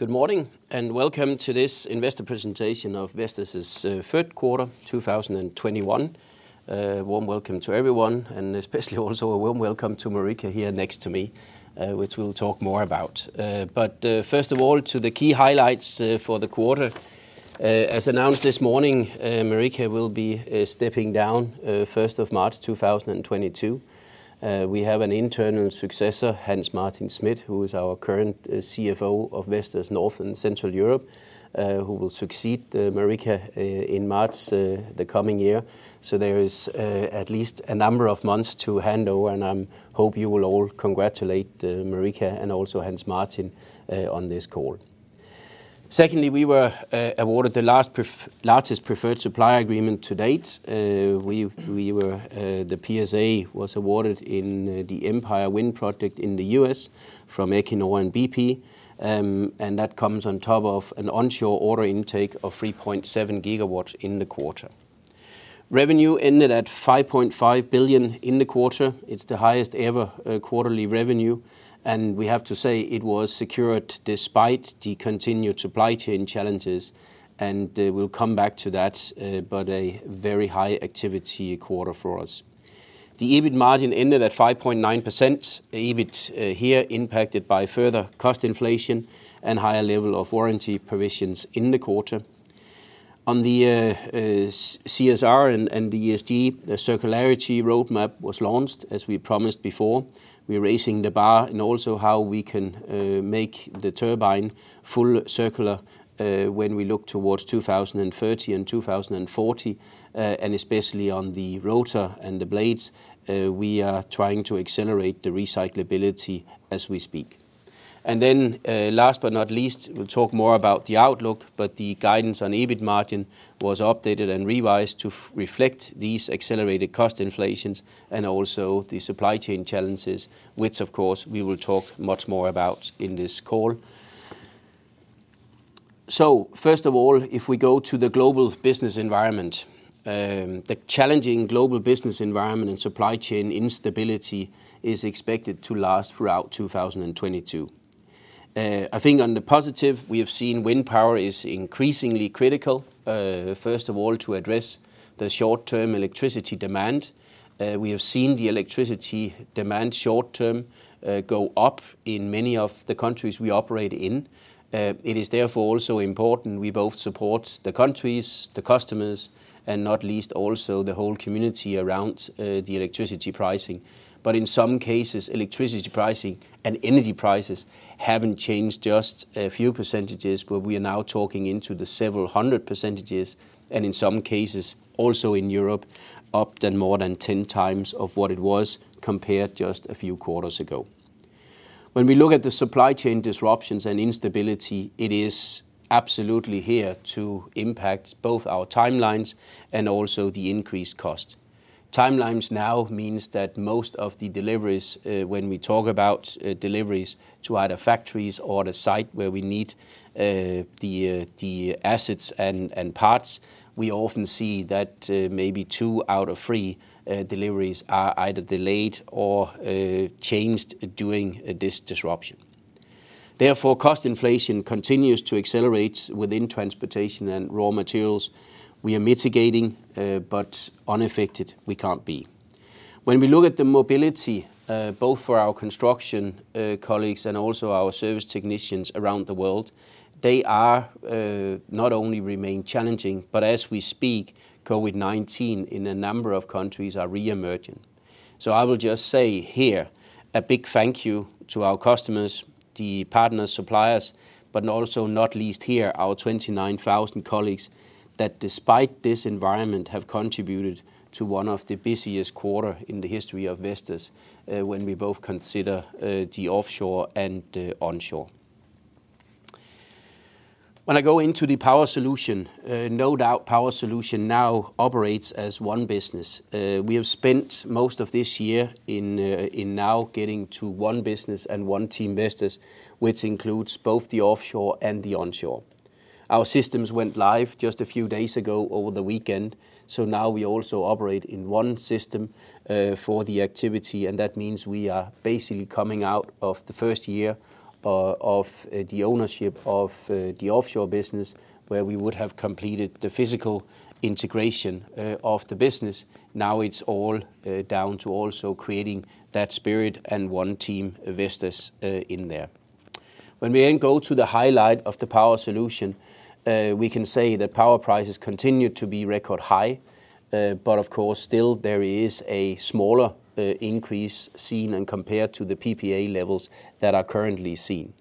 Good morning, and welcome to this investor presentation of Vestas's third quarter 2021. Warm welcome to everyone, and especially also a warm welcome to Marika here next to me, which we'll talk more about. First of all, to the key highlights for the quarter. As announced this morning, Marika will be stepping down first of March 2022. We have an internal successor, Hans Martin Smith, who is our current CFO of Vestas North & Central Europe, who will succeed Marika in March the coming year. There is at least a number of months to handle, and I hope you will all congratulate Marika and also Hans Martin Smith on this call. Secondly, we were awarded the largest preferred supply agreement to date. We were the PSA was awarded in the Empire Wind project in the U.S. from Equinor and bp. That comes on top of an onshore order intake of 3.7 GW in the quarter. Revenue ended at 5.5 billion in the quarter. wqIt's the highest ever quarterly revenue, and we have to say it was secured despite the continued supply chain challenges, and we'll come back to that, but a very high activity quarter for us. The EBIT margin ended at 5.9%. EBIT here impacted by further cost inflation and higher level of warranty provisions in the quarter. On the CSR and the ESG, the circularity roadmap was launched, as we promised before. We're raising the bar in also how we can make the turbine full circular when we look towards 2030 and 2040, and especially on the rotor and the blades. We are trying to accelerate the recyclability as we speak. Last but not least, we'll talk more about the outlook, but the guidance on EBIT margin was updated and revised to reflect these accelerated cost inflations and also the supply chain challenges, which of course we will talk much more about in this call. First of all, if we go to the global business environment, the challenging global business environment and supply chain instability is expected to last throughout 2022. I think on the positive, we have seen wind power is increasingly critical, first of all, to address the short-term electricity demand. We have seen the electricity demand short-term, go up in many of the countries we operate in. It is therefore also important we both support the countries, the customers, and not least also the whole community around, the electricity pricing. In some cases, electricity pricing and energy prices haven't changed just a few %, but we are now talking into the several hundred %, and in some cases, also in Europe, up more than 10 times of what it was compared just a few quarters ago. When we look at the supply chain disruptions and instability, it is absolutely here to impact both our timelines and also the increased cost. Timelines now means that most of the deliveries, when we talk about deliveries to either factories or the site where we need the assets and parts, we often see that maybe two out of three deliveries are either delayed or changed during this disruption. Therefore, cost inflation continues to accelerate within transportation and raw materials. We are mitigating, but unaffected we can't be. When we look at the mobility both for our construction colleagues and also our service technicians around the world, they are not only remain challenging, but as we speak, COVID-19 in a number of countries are reemerging. I will just say here, a big thank you to our customers, the partners, suppliers, but also not least here, our 29,000 colleagues that, despite this environment, have contributed to one of the busiest quarter in the history of Vestas, when we both consider the offshore and the onshore. When I go into the Power Solutions, no doubt Power Solutions now operates as one business. We have spent most of this year in now getting to one business and one team Vestas, which includes both the offshore and the onshore. Our systems went live just a few days ago over the weekend, so now we also operate in one system for the activity. That means we are basically coming out of the first year of the ownership of the offshore business, where we would have completed the physical integration of the business. Now it's all down to also creating that spirit and one team Vestas in there. When we then go to the highlight of the Power Solutions, we can say that power prices continue to be record high. Of course, still there is a smaller increase seen and compared to the PPA levels that are currently seen.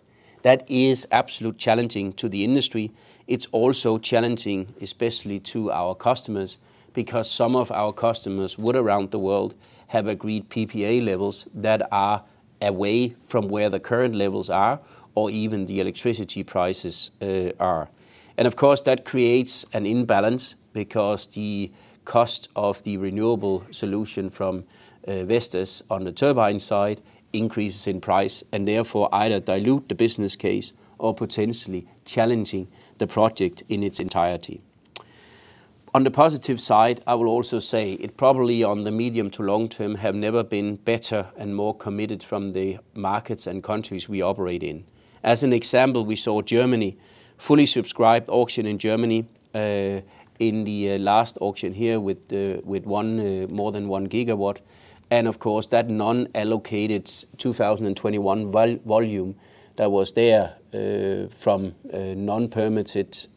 That is absolutely challenging to the industry. It's also challenging especially to our customers, because some of our customers would, around the world, have agreed PPA levels that are away from where the current levels are or even the electricity prices are. Of course, that creates an imbalance because the cost of the renewable solution from Vestas on the turbine side increases in price, and therefore either dilute the business case or potentially challenging the project in its entirety. On the positive side, I will also say it probably on the medium to long term have never been better and more committed from the markets and countries we operate in. As an example, we saw Germany fully subscribed auction in Germany in the last auction here with more than 1 GW, and of course that non-allocated 2021 volume that was there from non-permitted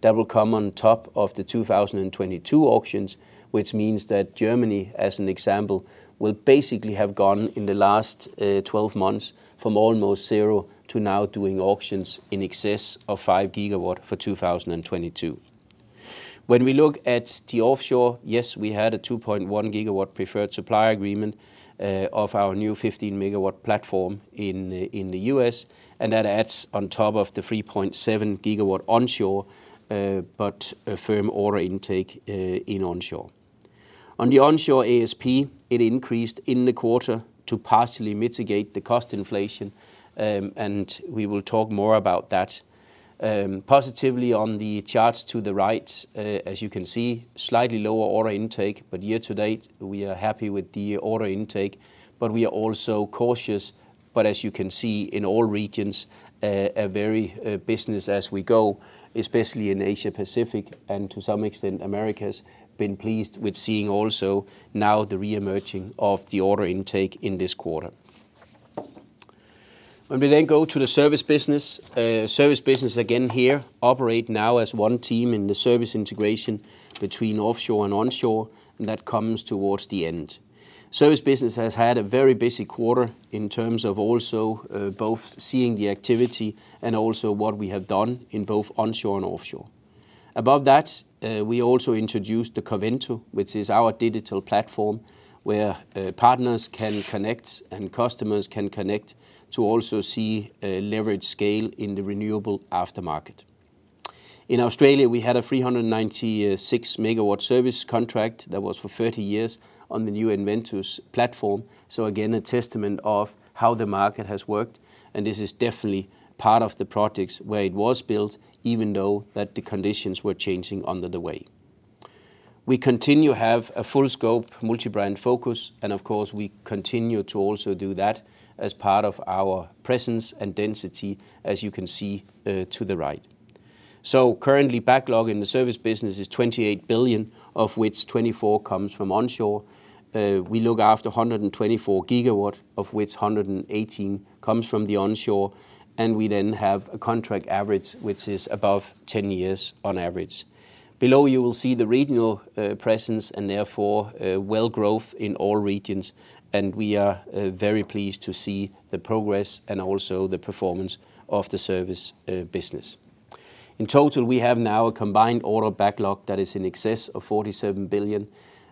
that will come on top of the 2022 auctions, which means that Germany, as an example, will basically have gone in the last 12 months from almost zero to now doing auctions in excess of 5 GW for 2022. When we look at the offshore, yes, we had a 2.1 GW preferred supply agreement of our new 15-MW platform in the U.S., and that adds on top of the 3.7 GW onshore but a firm order intake in onshore. On the onshore ASP, it increased in the quarter to partially mitigate the cost inflation, and we will talk more about that. Positively on the charts to the right, as you can see, slightly lower order intake, but year to date we are happy with the order intake, but we are also cautious. As you can see in all regions, business as we go, especially in Asia Pacific and to some extent in America, we have been pleased with seeing also now the reemerging of the order intake in this quarter. When we then go to the service business, service business again here operate now as one team in the service integration between offshore and onshore, and that comes towards the end. Service business has had a very busy quarter in terms of also both seeing the activity and also what we have done in both onshore and offshore. Above that, we also introduced the Covento, which is our digital platform where partners can connect and customers can connect to also see a leverage scale in the renewable aftermarket. In Australia, we had a 396 MW service contract that was for 30 years on the new EnVentus platform, so again, a testament of how the market has worked, and this is definitely part of the projects where it was built, even though the conditions were changing along the way. We continue to have a full scope multi-brand focus, and of course we continue to also do that as part of our presence and density, as you can see to the right. Currently backlog in the service business is 28 billion, of which 24 comes from onshore. We look after 124 GW, of which 118 comes from the onshore, and we then have a contract average which is above 10 years on average. Below you will see the regional presence and therefore growth in all regions, and we are very pleased to see the progress and also the performance of the service business. In total, we have now a combined order backlog that is in excess of 47 billion,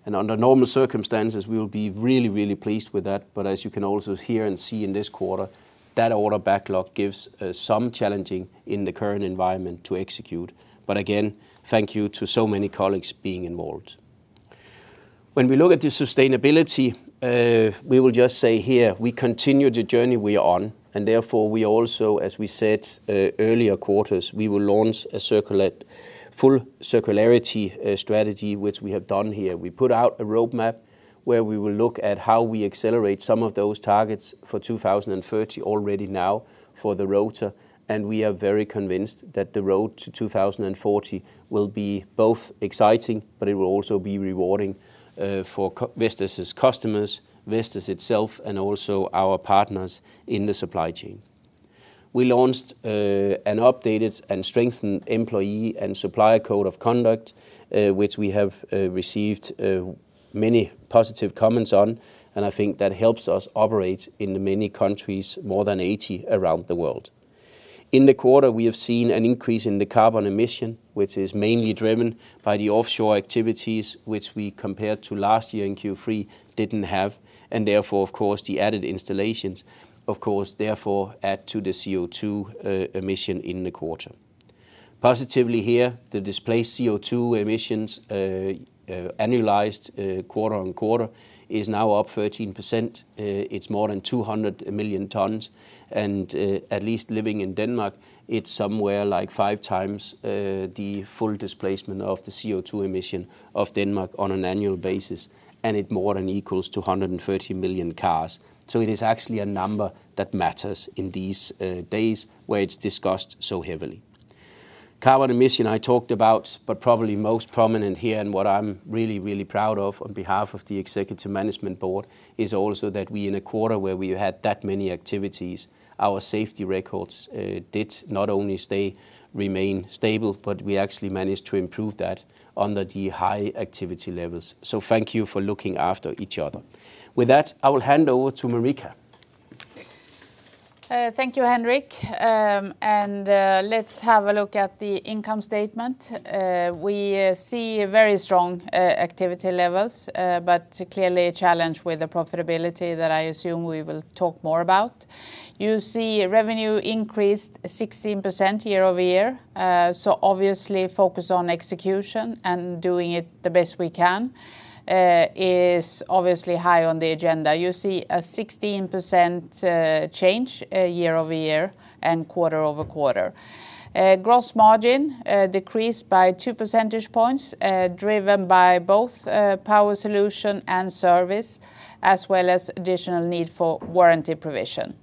and under normal circumstances we will be really, really pleased with that. As you can also hear and see in this quarter, that order backlog gives some challenges in the current environment to execute. Again, thank you to so many colleagues being involved. When we look at the sustainability, we will just say here we continue the journey we are on, and therefore we also, as we said, earlier quarters, we will launch a full circularity strategy, which we have done here. We put out a roadmap where we will look at how we accelerate some of those targets for 2030 already now for the rotor, and we are very convinced that the road to 2040 will be both exciting, but it will also be rewarding for Vestas' customers, Vestas itself, and also our partners in the supply chain. We launched an updated and strengthened employee and supplier code of conduct, which we have received many positive comments on, and I think that helps us operate in the many countries, more than 80 around the world. In the quarter, we have seen an increase in the carbon emission, which is mainly driven by the offshore activities which we compare to last year in Q3 didn't have, and therefore of course the added installations of course therefore add to the CO2 emission in the quarter. Positively here, the displaced CO2 emissions, annualized, quarter-on-quarter is now up 13%. It's more than 200 million tons, and, at least living in Denmark, it's somewhere like 5 times, the full displacement of the CO2 emission of Denmark on an annual basis, and it more than equals 130 million cars. It is actually a number that matters in these days where it's discussed so heavily. Carbon emission I talked about, but probably most prominent here and what I'm really, really proud of on behalf of the executive management board, is also that we in a quarter where we had that many activities, our safety records did not only remain stable, but we actually managed to improve that under the high activity levels. Thank you for looking after each other. With that, I will hand over to Marika. Thank you, Henrik. Let's have a look at the income statement. We see very strong activity levels, but clearly a challenge with the profitability that I assume we will talk more about. You see revenue increased 16% year-over-year, so obviously focus on execution and doing it the best we can is obviously high on the agenda. You see a 16% change year-over-year and quarter-over-quarter. Gross margin decreased by 2 percentage points, driven by both Power Solutions and Service, as well as additional need for warranty provision.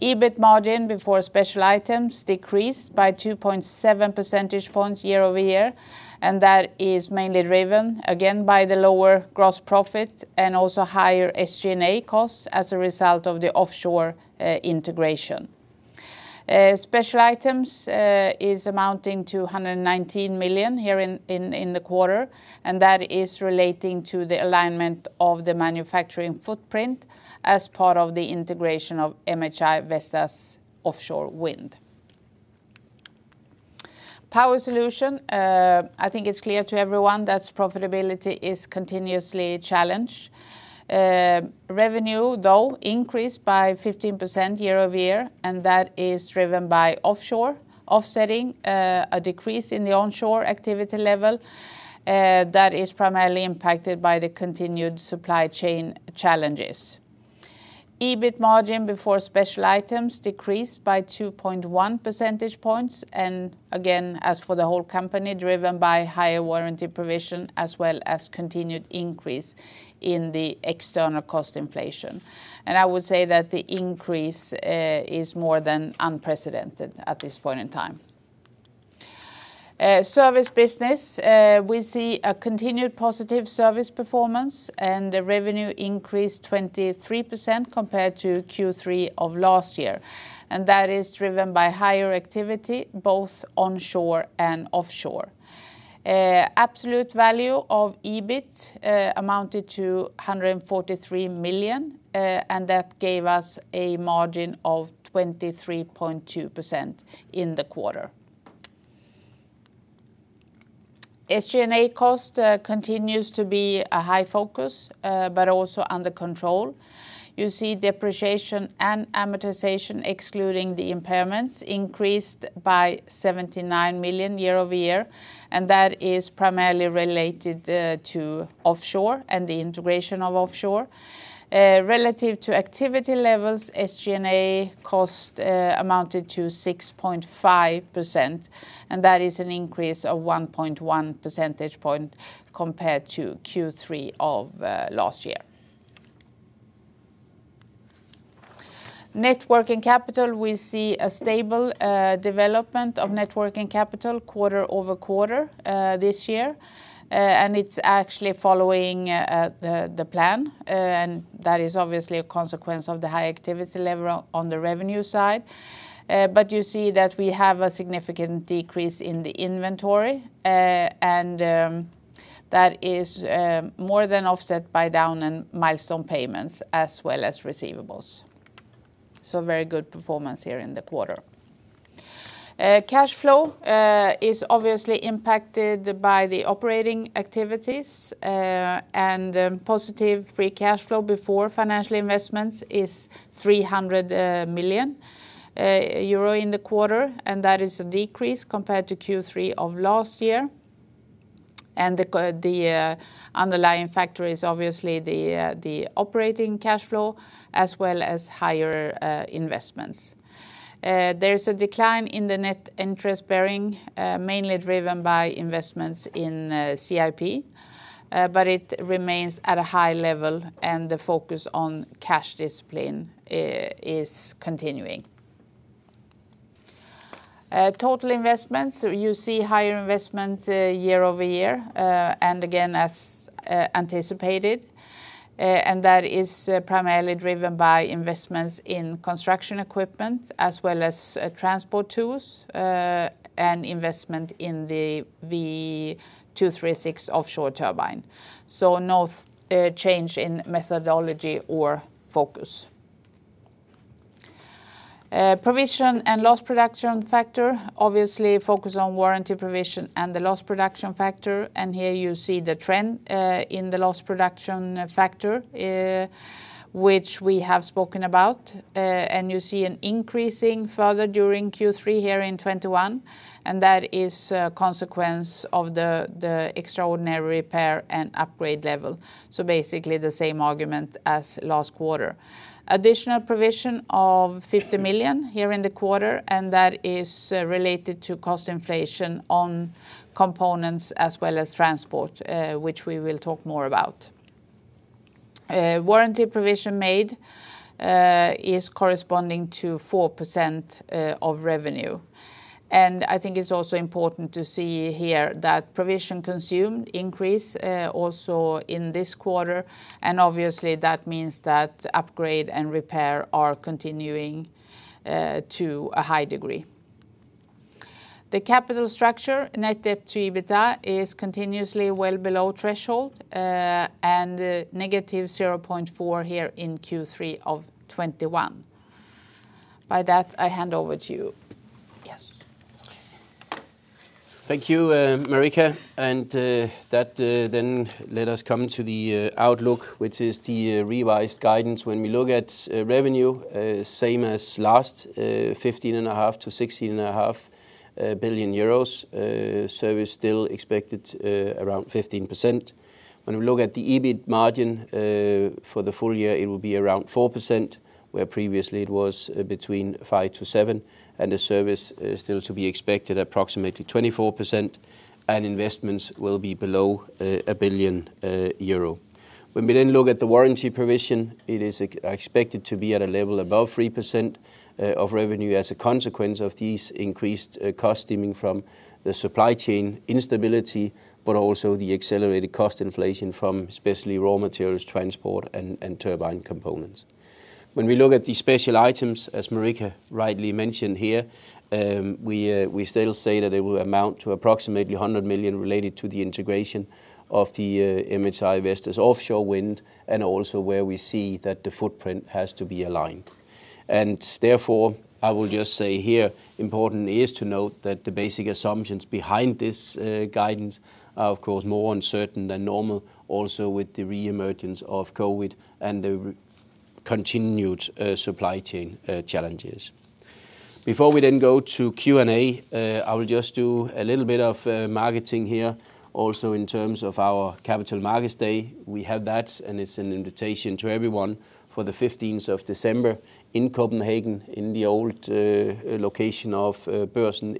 EBIT margin before special items decreased by 2.7 percentage points year-over-year, and that is mainly driven again by the lower gross profit and also higher SG&A costs as a result of the offshore integration. Special items is amounting to 119 million here in the quarter, and that is relating to the alignment of the manufacturing footprint as part of the integration of MHI Vestas Offshore Wind. Power Solutions, I think it's clear to everyone that profitability is continuously challenged. Revenue, though, increased by 15% year-over-year, and that is driven by offshore offsetting a decrease in the onshore activity level that is primarily impacted by the continued supply chain challenges. EBIT margin before special items decreased by 2.1 percentage points, and again, as for the whole company, driven by higher warranty provision as well as continued increase in the external cost inflation. I would say that the increase is more than unprecedented at this point in time. Service business, we see a continued positive service performance, and the revenue increased 23% compared to Q3 of last year. That is driven by higher activity, both onshore and offshore. Absolute value of EBIT amounted to 143 million, and that gave us a margin of 23.2% in the quarter. SG&A cost continues to be a high focus, but also under control. You see depreciation and amortization, excluding the impairments, increased by 79 million year-over-year, and that is primarily related to offshore and the integration of offshore. Relative to activity levels, SG&A cost amounted to 6.5%, and that is an increase of 1.1 percentage points compared to Q3 of last year. Net working capital, we see a stable development of net working capital quarter-over-quarter this year. It's actually following the plan, and that is obviously a consequence of the high activity level on the revenue side. You see that we have a significant decrease in the inventory, and that is more than offset by down payments and milestone payments as well as receivables. Very good performance here in the quarter. Cash flow is obviously impacted by the operating activities, and positive free cash flow before financial investments is 300 million euro in the quarter, and that is a decrease compared to Q3 of last year. The underlying factor is obviously the operating cash flow as well as higher investments. There's a decline in the net interest bearing, mainly driven by investments in CIP, but it remains at a high level, and the focus on cash discipline is continuing. Total investments, you see higher investment year over year, and again as anticipated. That is primarily driven by investments in construction equipment as well as transport tools, and investment in the V236 offshore turbine. No change in methodology or focus. Provision and loss production factor, obviously focus on warranty provision and the loss production factor, and here you see the trend in the loss production factor which we have spoken about. You see an increase further during Q3 2021, and that is a consequence of the extraordinary repair and upgrade level. Basically the same argument as last quarter. Additional provision of 50 million here in the quarter, and that is related to cost inflation on components as well as transport, which we will talk more about. Warranty provision made is corresponding to 4% of revenue. I think it's also important to see here that provisions consumed increased also in this quarter. Obviously, that means that upgrades and repairs are continuing to a high degree. The capital structure, net debt to EBITDA, is continuously well below threshold, and negative 0.4 here in Q3 2021. By that, I hand over to you. Yes. Thank you, Marika, and then let us come to the outlook, which is the revised guidance. When we look at revenue, same as last, 15.5 billion-16.5 billion euros, service still expected around 15%. When we look at the EBIT margin for the full year, it will be around 4%, where previously it was between 5%-7%, and the service is still to be expected approximately 24%, and investments will be below 1 billion euro. When we then look at the warranty provision, it is expected to be at a level above 3% of revenue as a consequence of these increased cost stemming from the supply chain instability, but also the accelerated cost inflation from especially raw materials, transport, and turbine components. When we look at the special items, as Marika rightly mentioned here, we still say that it will amount to approximately 100 million related to the integration of the MHI Vestas Offshore Wind and also where we see that the footprint has to be aligned. Therefore, I will just say here important is to note that the basic assumptions behind this guidance are of course more uncertain than normal, also with the reemergence of COVID and the continued supply chain challenges. Before we then go to Q&A, I will just do a little bit of marketing here also in terms of our Capital Markets Day. We have that, and it's an invitation to everyone for the fifteenth of December in Copenhagen, in the old location of Børsen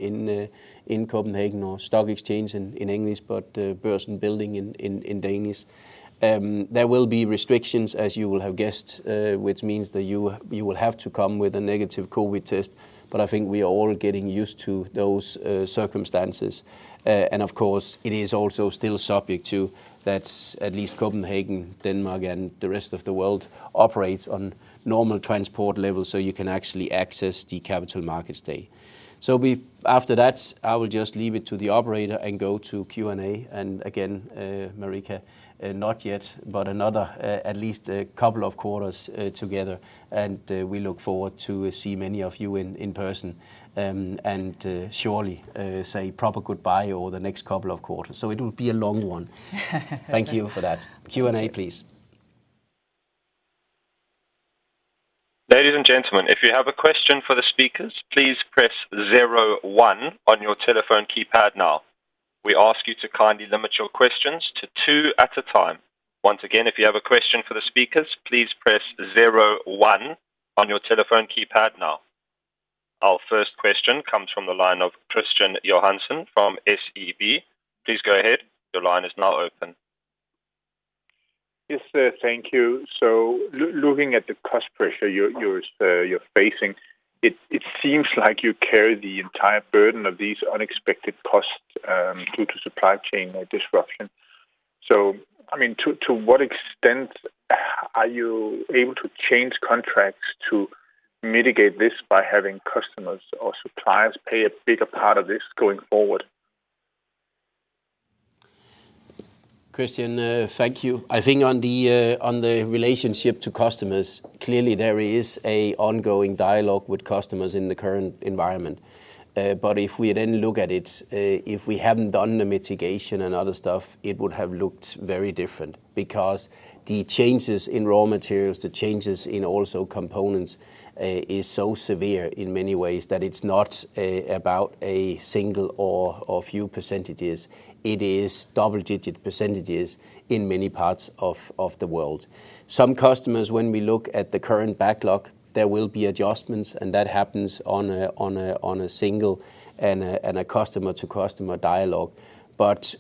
in Copenhagen, or stock exchange in English, but Børsen Building in Danish. There will be restrictions, as you will have guessed, which means that you will have to come with a negative COVID test. I think we are all getting used to those circumstances. Of course, it is also still subject to that, at least Copenhagen, Denmark, and the rest of the world operates on normal transport levels, so you can actually access the Capital Markets Day. After that, I will just leave it to the operator and go to Q&A. Again, Marika, not yet, but another at least a couple of quarters together, and we look forward to see many of you in person, and surely say proper goodbye over the next couple of quarters. It will be a long one. Thank you for that. Q&A, please. Ladies and gentlemen, if you have a question for the speakers, please press zero one on your telephone keypad now. We ask you to kindly limit your questions to two at a time. Once again, if you have a question for the speakers, please press zero one on your telephone keypad now. Our first question comes from the line of Kristian Johansen from SEB. Please go ahead. Your line is now open. Yes, thank you. Looking at the cost pressure you're facing, it seems like you carry the entire burden of these unexpected costs due to supply chain disruption. I mean, to what extent are you able to change contracts to mitigate this by having customers or suppliers pay a bigger part of this going forward? Kristian, thank you. I think on the relationship to customers, clearly there is an ongoing dialogue with customers in the current environment. If we then look at it, if we haven't done the mitigation and other stuff, it would have looked very different because the changes in raw materials, the changes in also components is so severe in many ways that it's not about a single or a few percentages. It is double-digit percentages in many parts of the world. Some customers, when we look at the current backlog, there will be adjustments, and that happens on a single and customer-to-customer dialogue.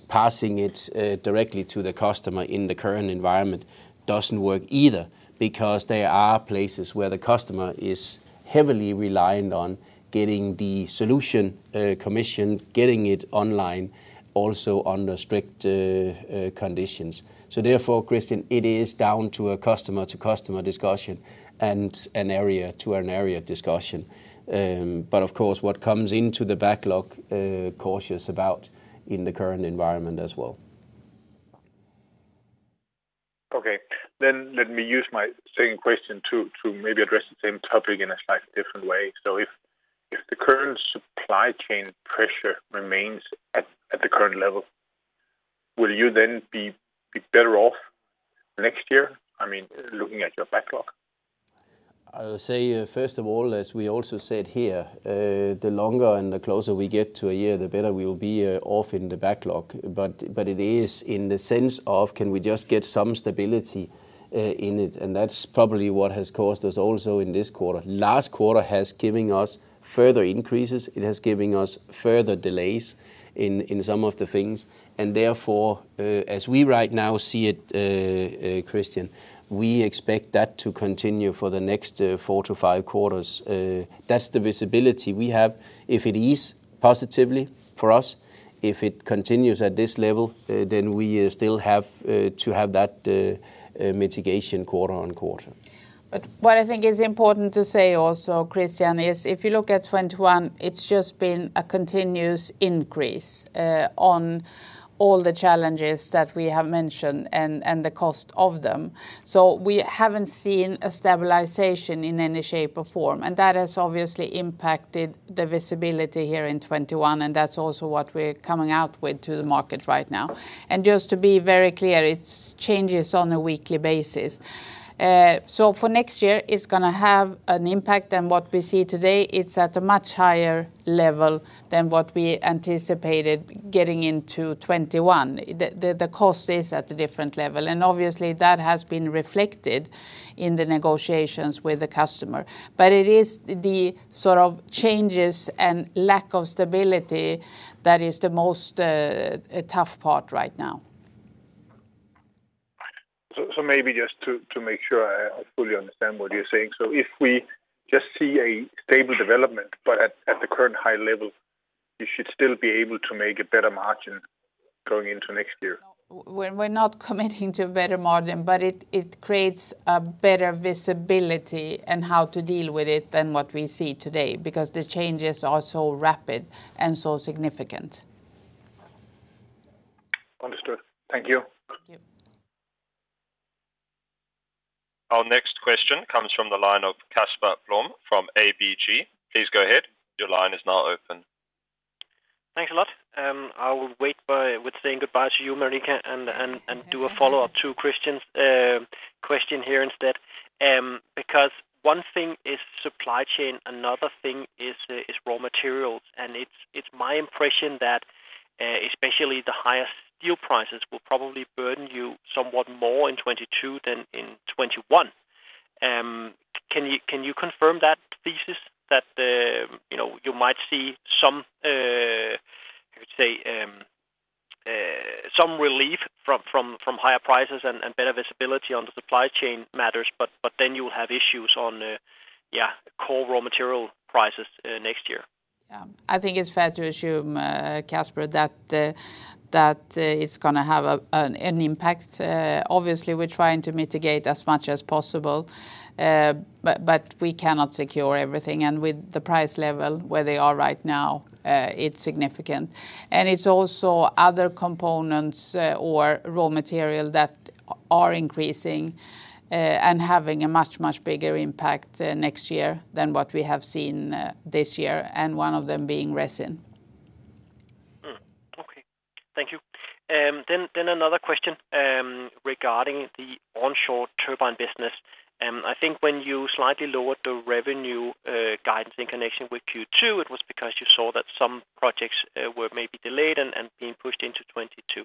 Passing it directly to the customer in the current environment doesn't work either because there are places where the customer is heavily reliant on getting the solution commissioned, getting it online also under strict conditions. Therefore, Kristian, it is down to a customer-to-customer discussion and an area-to-an-area discussion. Of course, we're cautious about what comes into the backlog in the current environment as well. Okay. Let me use my second question to maybe address the same topic in a slightly different way. If the current supply chain pressure remains at the current level, will you then be better off next year? I mean, looking at your backlog. I'll say, first of all, as we also said here, the longer and the closer we get to a year, the better we will be off in the backlog. It is in the sense of can we just get some stability in it, and that's probably what has caused us also in this quarter. Last quarter has given us further increases. It has given us further delays in some of the things. Therefore, as we right now see it, Kristian, we expect that to continue for the next four to five quarters. That's the visibility we have. If it is positively for us, if it continues at this level, then we still have to have that mitigation quarter-over-quarter. What I think is important to say also, Kristian, is if you look at 2021, it's just been a continuous increase on all the challenges that we have mentioned and the cost of them. We haven't seen a stabilization in any shape or form, and that has obviously impacted the visibility here in 2021, and that's also what we're coming out with to the market right now. Just to be very clear, it's changes on a weekly basis. For next year, it's gonna have an impact, and what we see today, it's at a much higher level than what we anticipated getting into 2021. The cost is at a different level, and obviously that has been reflected in the negotiations with the customer. It is the sort of changes and lack of stability that is the most tough part right now. Maybe just to make sure I fully understand what you're saying. If we just see a stable development but at the current high level, you should still be able to make a better margin going into next year? No. We're not committing to better margin, but it creates a better visibility in how to deal with it than what we see today because the changes are so rapid and so significant. Understood. Thank you. Thank you. Our next question comes from the line of Casper Blom from ABG. Please go ahead. Your line is now open. Thanks a lot. I will wait with saying goodbye to you, Marika, and do a follow-up to Kristian's question here instead. Because one thing is supply chain, another thing is raw materials, and it's my impression that especially the highest steel prices will probably burden you somewhat more in 2022 than in 2021. Can you confirm that thesis that you know you might see some how to say some relief from higher prices and better visibility on the supply chain matters, but then you will have issues on yeah core raw material prices next year? I think it's fair to assume, Casper, that it's gonna have an impact. Obviously we're trying to mitigate as much as possible. But we cannot secure everything. With the price level where they are right now, it's significant. It's also other components or raw material that are increasing and having a much bigger impact next year than what we have seen this year, and one of them being resin. Okay. Thank you. Another question regarding the onshore turbine business. I think when you slightly lowered the revenue guidance in connection with Q2, it was because you saw that some projects were maybe delayed and being pushed into 2022.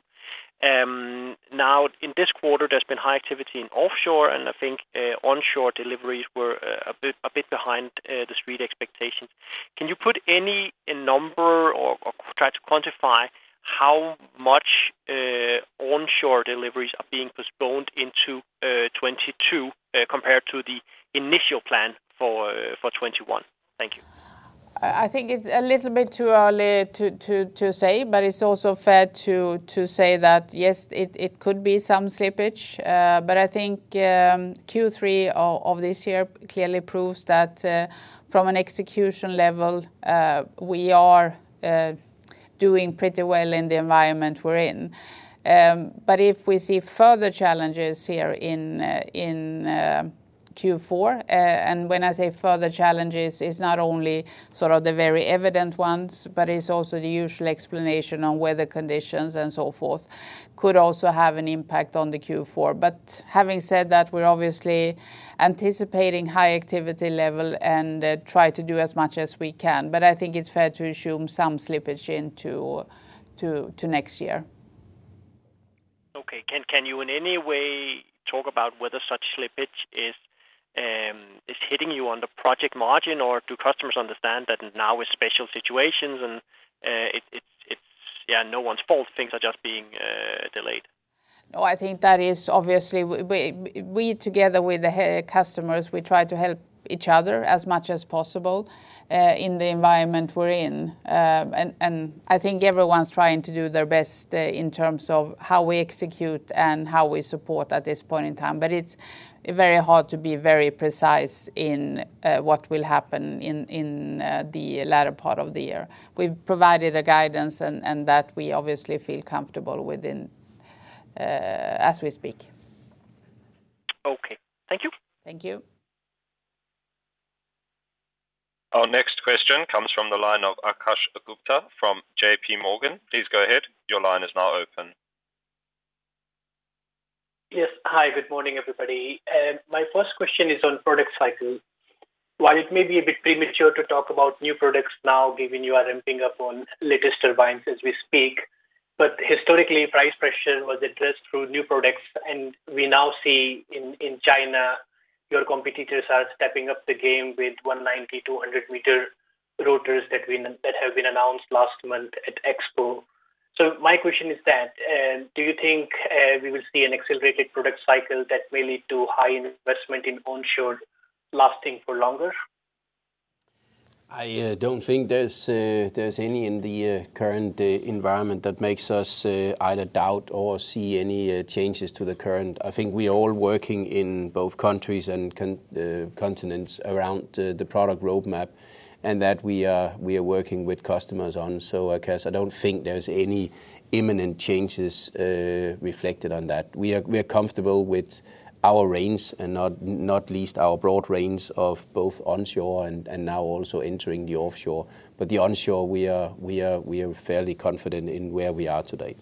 Now in this quarter there's been high activity in offshore, and I think onshore deliveries were a bit behind the street expectations. Can you put any number or try to quantify how much onshore deliveries are being postponed into 2022 compared to the initial plan for 2021? Thank you. I think it's a little bit too early to say, but it's also fair to say that yes, it could be some slippage. I think Q3 of this year clearly proves that from an execution level, we are doing pretty well in the environment we're in. If we see further challenges here in Q4, and when I say further challenges, it's not only sort of the very evident ones, but it's also the usual explanation on weather conditions and so forth could also have an impact on Q4. Having said that, we're obviously anticipating high activity level and try to do as much as we can. I think it's fair to assume some slippage into next year. Okay. Can you in any way talk about whether such slippage is hitting you on the project margin, or do customers understand that now with special situations and it's, yeah, no one's fault, things are just being delayed? No, I think that is obviously we together with the customers, we try to help each other as much as possible, in the environment we're in. I think everyone's trying to do their best, in terms of how we execute and how we support at this point in time. It's very hard to be very precise in what will happen in the latter part of the year. We've provided a guidance and that we obviously feel comfortable within, as we speak. Okay. Thank you. Thank you. Our next question comes from the line of Akash Gupta from J.P. Morgan. Please go ahead. Your line is now open. Yes. Hi, good morning, everybody. My first question is on product cycle. While it may be a bit premature to talk about new products now given you are ramping up on latest turbines as we speak, but historically, price pressure was addressed through new products, and we now see in China your competitors are stepping up the game with 190, 200 meter rotors that have been announced last month at Expo. So my question is that, do you think we will see an accelerated product cycle that may lead to high investment in onshore lasting for longer? I don't think there's anything in the current environment that makes us either doubt or see any changes to the current. I think we're all working in both countries and continents around the product roadmap, and that we are working with customers on. I guess I don't think there's any imminent changes reflected on that. We are comfortable with our range and not least our broad range of both onshore and now also entering the offshore. The onshore we are fairly confident in where we are today.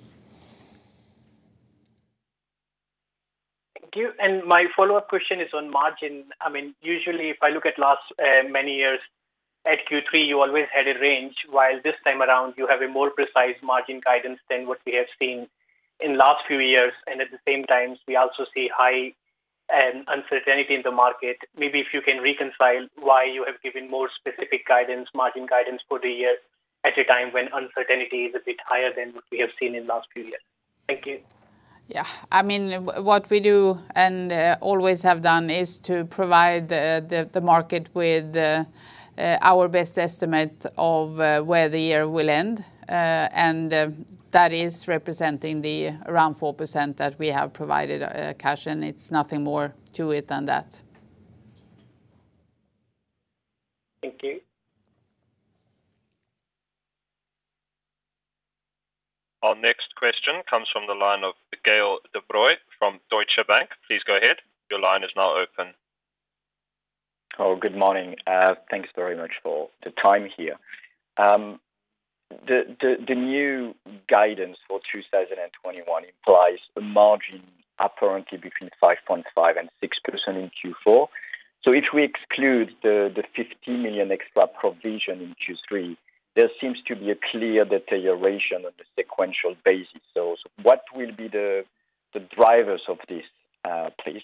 Thank you. My follow-up question is on margin. I mean, usually if I look at last many years, at Q3 you always had a range, while this time around you have a more precise margin guidance than what we have seen in last few years. At the same time, we also see heightened uncertainty in the market. Maybe if you can reconcile why you have given more specific guidance, margin guidance for the year at a time when uncertainty is a bit higher than what we have seen in the last few years. Thank you. Yeah. I mean, what we do and always have done is to provide the market with our best estimate of where the year will end. That is representing the around 4% that we have provided, Akash, and it's nothing more to it than that. Thank you. Our next question comes from the line of Gaël de Bray from Deutsche Bank. Please go ahead. Your line is now open. Good morning. Thanks very much for the time here. The new guidance for 2021 implies a margin apparently between 5.5%-6% in Q4. If we exclude the 50 million extra provision in Q3, there seems to be a clear deterioration on the sequential basis. What will be the drivers of this, please?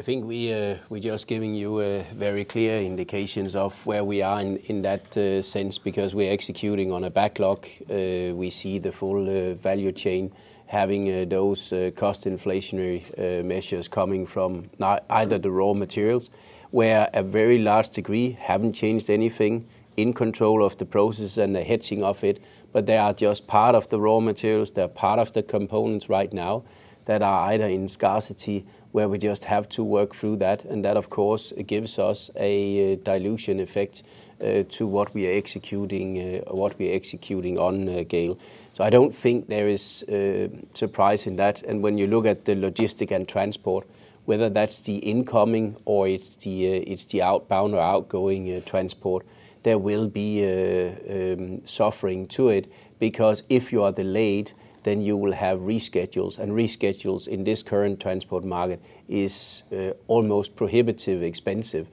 I think we're just giving you very clear indications of where we are in that sense, because we're executing on a backlog. We see the full value chain having those cost inflationary measures coming from not either the raw materials, where a very large degree haven't changed anything in control of the process and the hedging of it, but they are just part of the raw materials, they're part of the components right now that are either in scarcity, where we just have to work through that. That, of course, gives us a dilution effect to what we are executing, what we're executing on, Gaël. I don't think there is surprise in that. When you look at the logistics and transport, whether that's the incoming or the outbound or outgoing transport, there will be suffering to it. Because if you are delayed, then you will have reschedules. Reschedules in this current transport market is almost prohibitively expensive.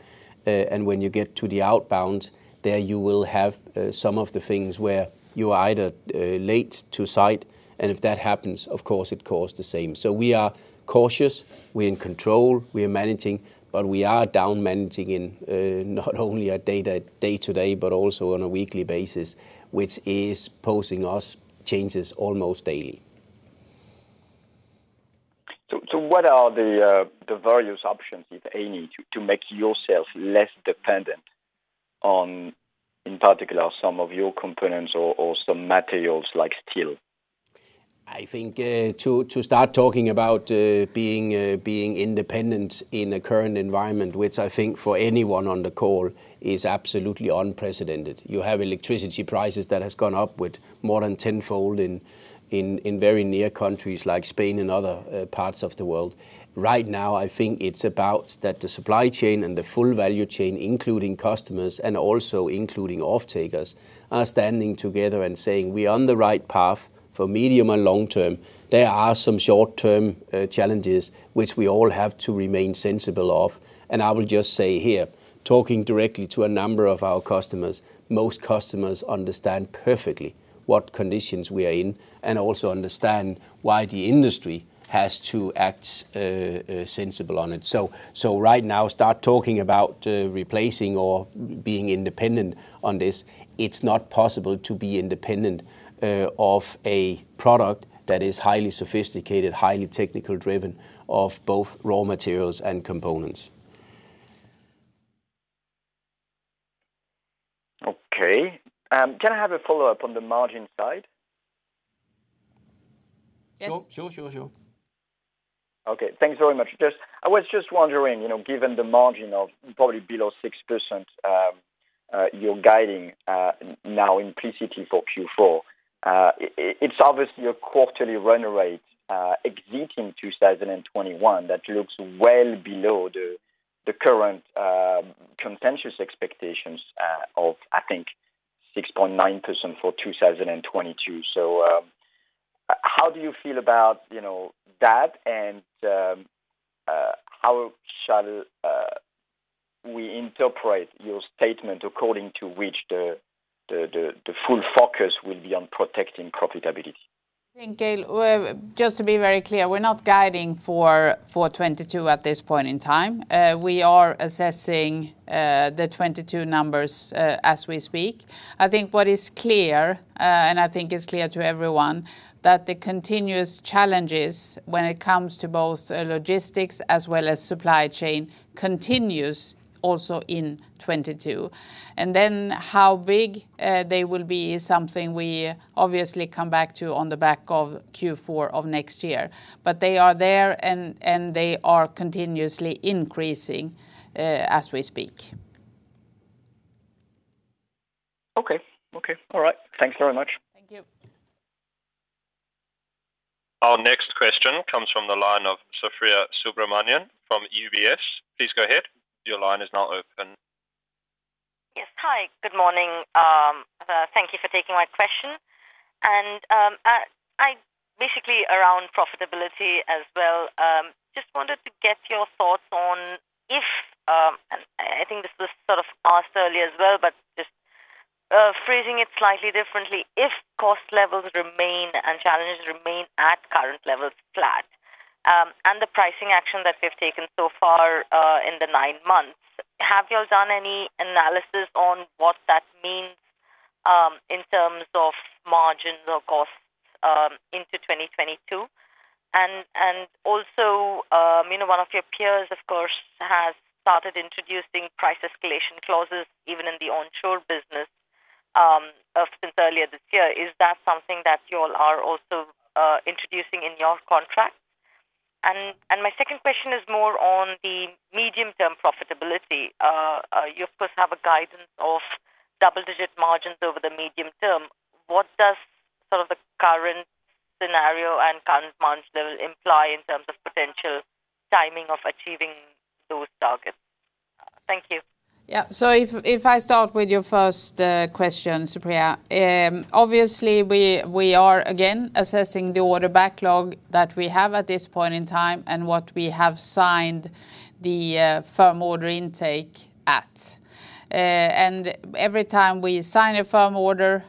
When you get to the outbound, there you will have some of the things where you are either late to site, and if that happens, of course, it costs the same. We are cautious, we're in control, we are managing, but we are now managing on not only a day-to-day, but also on a weekly basis, which is posing us challenges almost daily. What are the various options, if any, to make yourself less dependent on, in particular, some of your components or some materials like steel? I think to start talking about being independent in the current environment, which I think for anyone on the call is absolutely unprecedented. You have electricity prices that has gone up more than tenfold in very near countries like Spain and other parts of the world. Right now, I think it's about that the supply chain and the full value chain, including customers and also including off-takers, are standing together and saying, "We're on the right path for medium and long term." There are some short-term challenges which we all have to remain sensible of. I will just say here, talking directly to a number of our customers, most customers understand perfectly what conditions we are in and also understand why the industry has to act sensible on it. Right now, start talking about replacing or being independent on this. It's not possible to be independent of a product that is highly sophisticated, highly technical driven of both raw materials and components. Okay. Can I have a follow-up on the margin side? Yes. Sure. Okay, thanks very much. I was just wondering, you know, given the margin of probably below 6%, you're guiding now implicitly for Q4. It's obviously a quarterly run rate exiting 2021 that looks well below the current contentious expectations of, I think, 6.9% for 2022. How do you feel about, you know, that? How shall we interpret your statement according to which the full focus will be on protecting profitability? I think, Gaël, just to be very clear, we're not guiding for 2022 at this point in time. We are assessing the 2022 numbers as we speak. I think what is clear, and I think it's clear to everyone that the continuous challenges when it comes to both logistics as well as supply chain continues also in 2022. Then how big they will be is something we obviously come back to on the back of Q4 of next year. They are there and they are continuously increasing as we speak. Okay. Okay, all right. Thanks very much. Thank you. Our next question comes from the line of Supriya Subramanian from UBS. Please go ahead. Your line is now open. Yes. Hi, good morning. Thank you for taking my question. I basically, around profitability as well, just wanted to get your thoughts on if, and I think this was sort of asked earlier as well, but phrasing it slightly differently, if cost levels remain and challenges remain at current levels flat, and the pricing action that we've taken so far, in the nine months, have you all done any analysis on what that means, in terms of margins or costs, into 2022? Also, you know, one of your peers, of course, has started introducing price escalation clauses even in the onshore business, since earlier this year. Is that something that you all are also introducing in your contracts? My second question is more on the medium-term profitability. You of course have a guidance of double-digit margins over the medium term. What does sort of the current scenario and current margin level imply in terms of potential timing of achieving those targets? Thank you. If I start with your first question, Supriya, obviously we are again assessing the order backlog that we have at this point in time and what we have signed the firm order intake at. Every time we sign a firm order,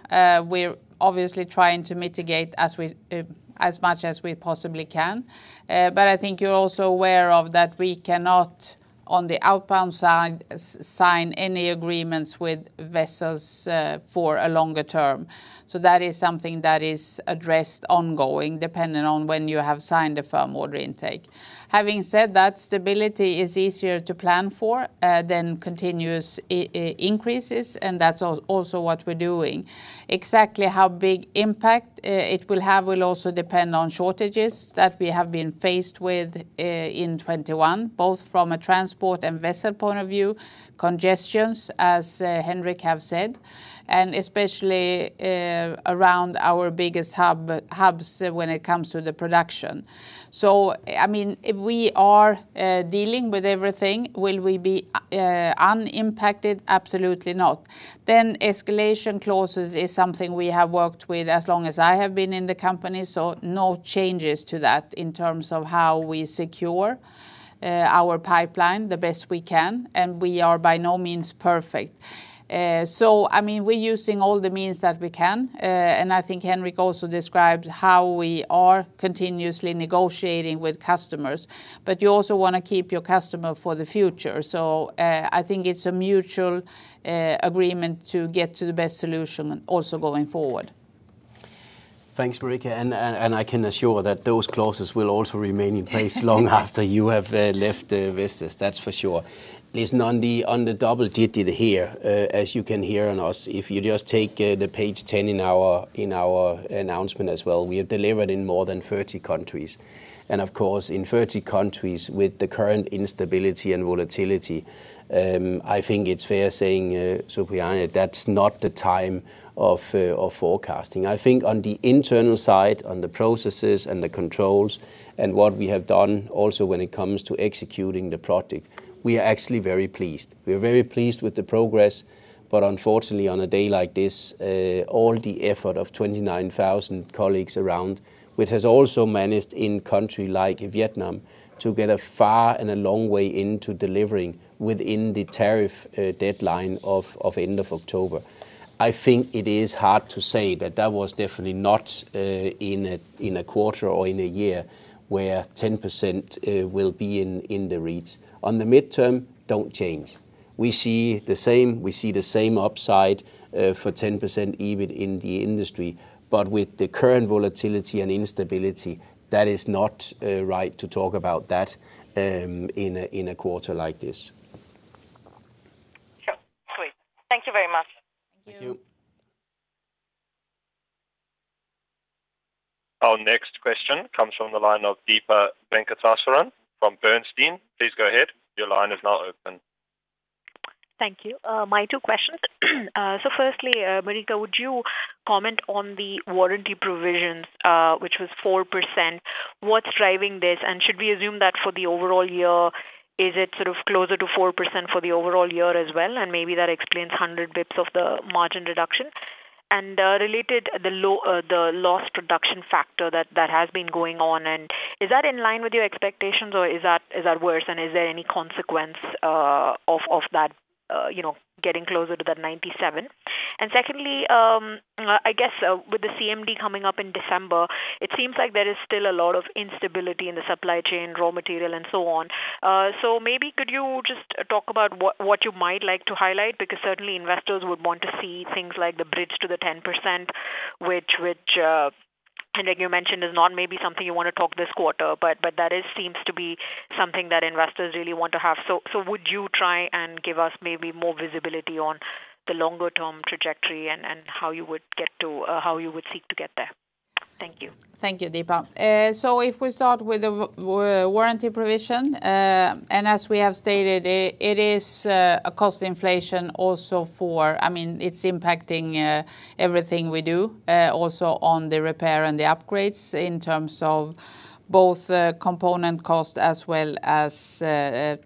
we're obviously trying to mitigate as much as we possibly can. I think you're also aware that we cannot, on the outbound side, sign any agreements with vessels for a longer term. That is something that is addressed ongoing, depending on when you have signed a firm order intake. Having said that, stability is easier to plan for than continuous increases, and that's also what we're doing. Exactly how big impact it will have will also depend on shortages that we have been faced with in 2021, both from a transport and vessel point of view, congestions, as Henrik have said, and especially around our biggest hubs when it comes to the production. I mean, we are dealing with everything. Will we be unimpacted? Absolutely not. Escalation clauses is something we have worked with as long as I have been in the company, so no changes to that in terms of how we secure our pipeline the best we can, and we are by no means perfect. I mean, we're using all the means that we can, and I think Henrik also described how we are continuously negotiating with customers. But you also wanna keep your customer for the future. I think it's a mutual agreement to get to the best solution also going forward. Thanks, Marika. I can assure that those clauses will also remain in place long after you have left Vestas, that's for sure. Listen, on the double-digit here, as you can hear from us, if you just take the page 10 in our announcement as well, we have delivered in more than 30 countries. Of course, in 30 countries with the current instability and volatility, I think it's fair saying, Supriya, that's not the time of forecasting. I think on the internal side, on the processes and the controls and what we have done also when it comes to executing the project, we are actually very pleased. We are very pleased with the progress, but unfortunately on a day like this, all the effort of 29,000 colleagues around, which has also managed in a country like Vietnam to get a far and a long way into delivering within the tariff deadline of end of October. I think it is hard to say, but that was definitely not in a quarter or in a year where 10% will be in the reach. On the midterm, don't change. We see the same upside for 10% even in the industry. With the current volatility and instability, that is not right to talk about that in a quarter like this. Sure. Sweet. Thank you very much. Thank you. Thank you. Our next question comes from the line of Deepa Venkateswaran from Bernstein. Please go ahead. Your line is now open. Thank you. My two questions. So firstly, Marika, would you comment on the warranty provisions, which was 4%? What's driving this? Should we assume that for the overall year, is it sort of closer to 4% for the overall year as well? Maybe that explains 100 basis points of the margin reduction. Related, the loss production factor that has been going on. Is that in line with your expectations or is that worse? Is there any consequence of that, you know, getting closer to that 97? Secondly, I guess, with the CMD coming up in December, it seems like there is still a lot of instability in the supply chain, raw material and so on. Maybe could you just talk about what you might like to highlight? Because certainly investors would want to see things like the bridge to the 10%, which and like you mentioned, is not maybe something you wanna talk this quarter, but that seems to be something that investors really want to have. Would you try and give us maybe more visibility on the longer term trajectory and how you would get to how you would seek to get there? Thank you. Thank you, Deepa. So if we start with the warranty provision, and as we have stated, it is a cost inflation also for. I mean, it's impacting everything we do, also on the repair and the upgrades in terms of both, component cost as well as,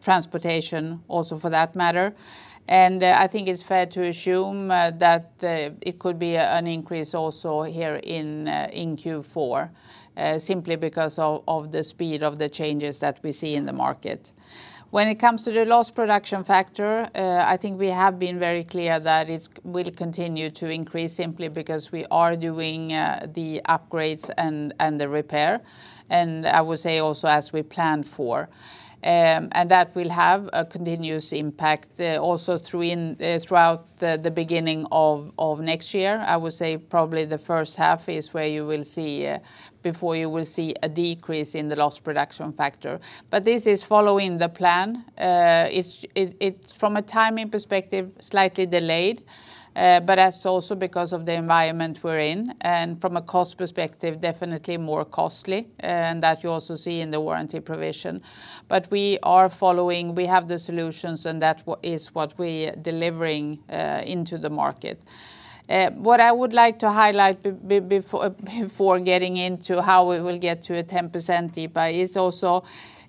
transportation also for that matter. I think it's fair to assume that it could be an increase also here in Q4, simply because of the speed of the changes that we see in the market. When it comes to the loss production factor, I think we have been very clear that it will continue to increase simply because we are doing the upgrades and the repair. I would say also as we planned for. That will have a continuous impact also throughout the beginning of next year. I would say probably the first half before you will see a decrease in the loss production factor. This is following the plan. It's from a timing perspective slightly delayed but that's also because of the environment we're in. From a cost perspective, definitely more costly, and that you also see in the warranty provision. We are following, we have the solutions, and that is what we delivering into the market. What I would like to highlight before getting into how we will get to a 10%, Deepa, is also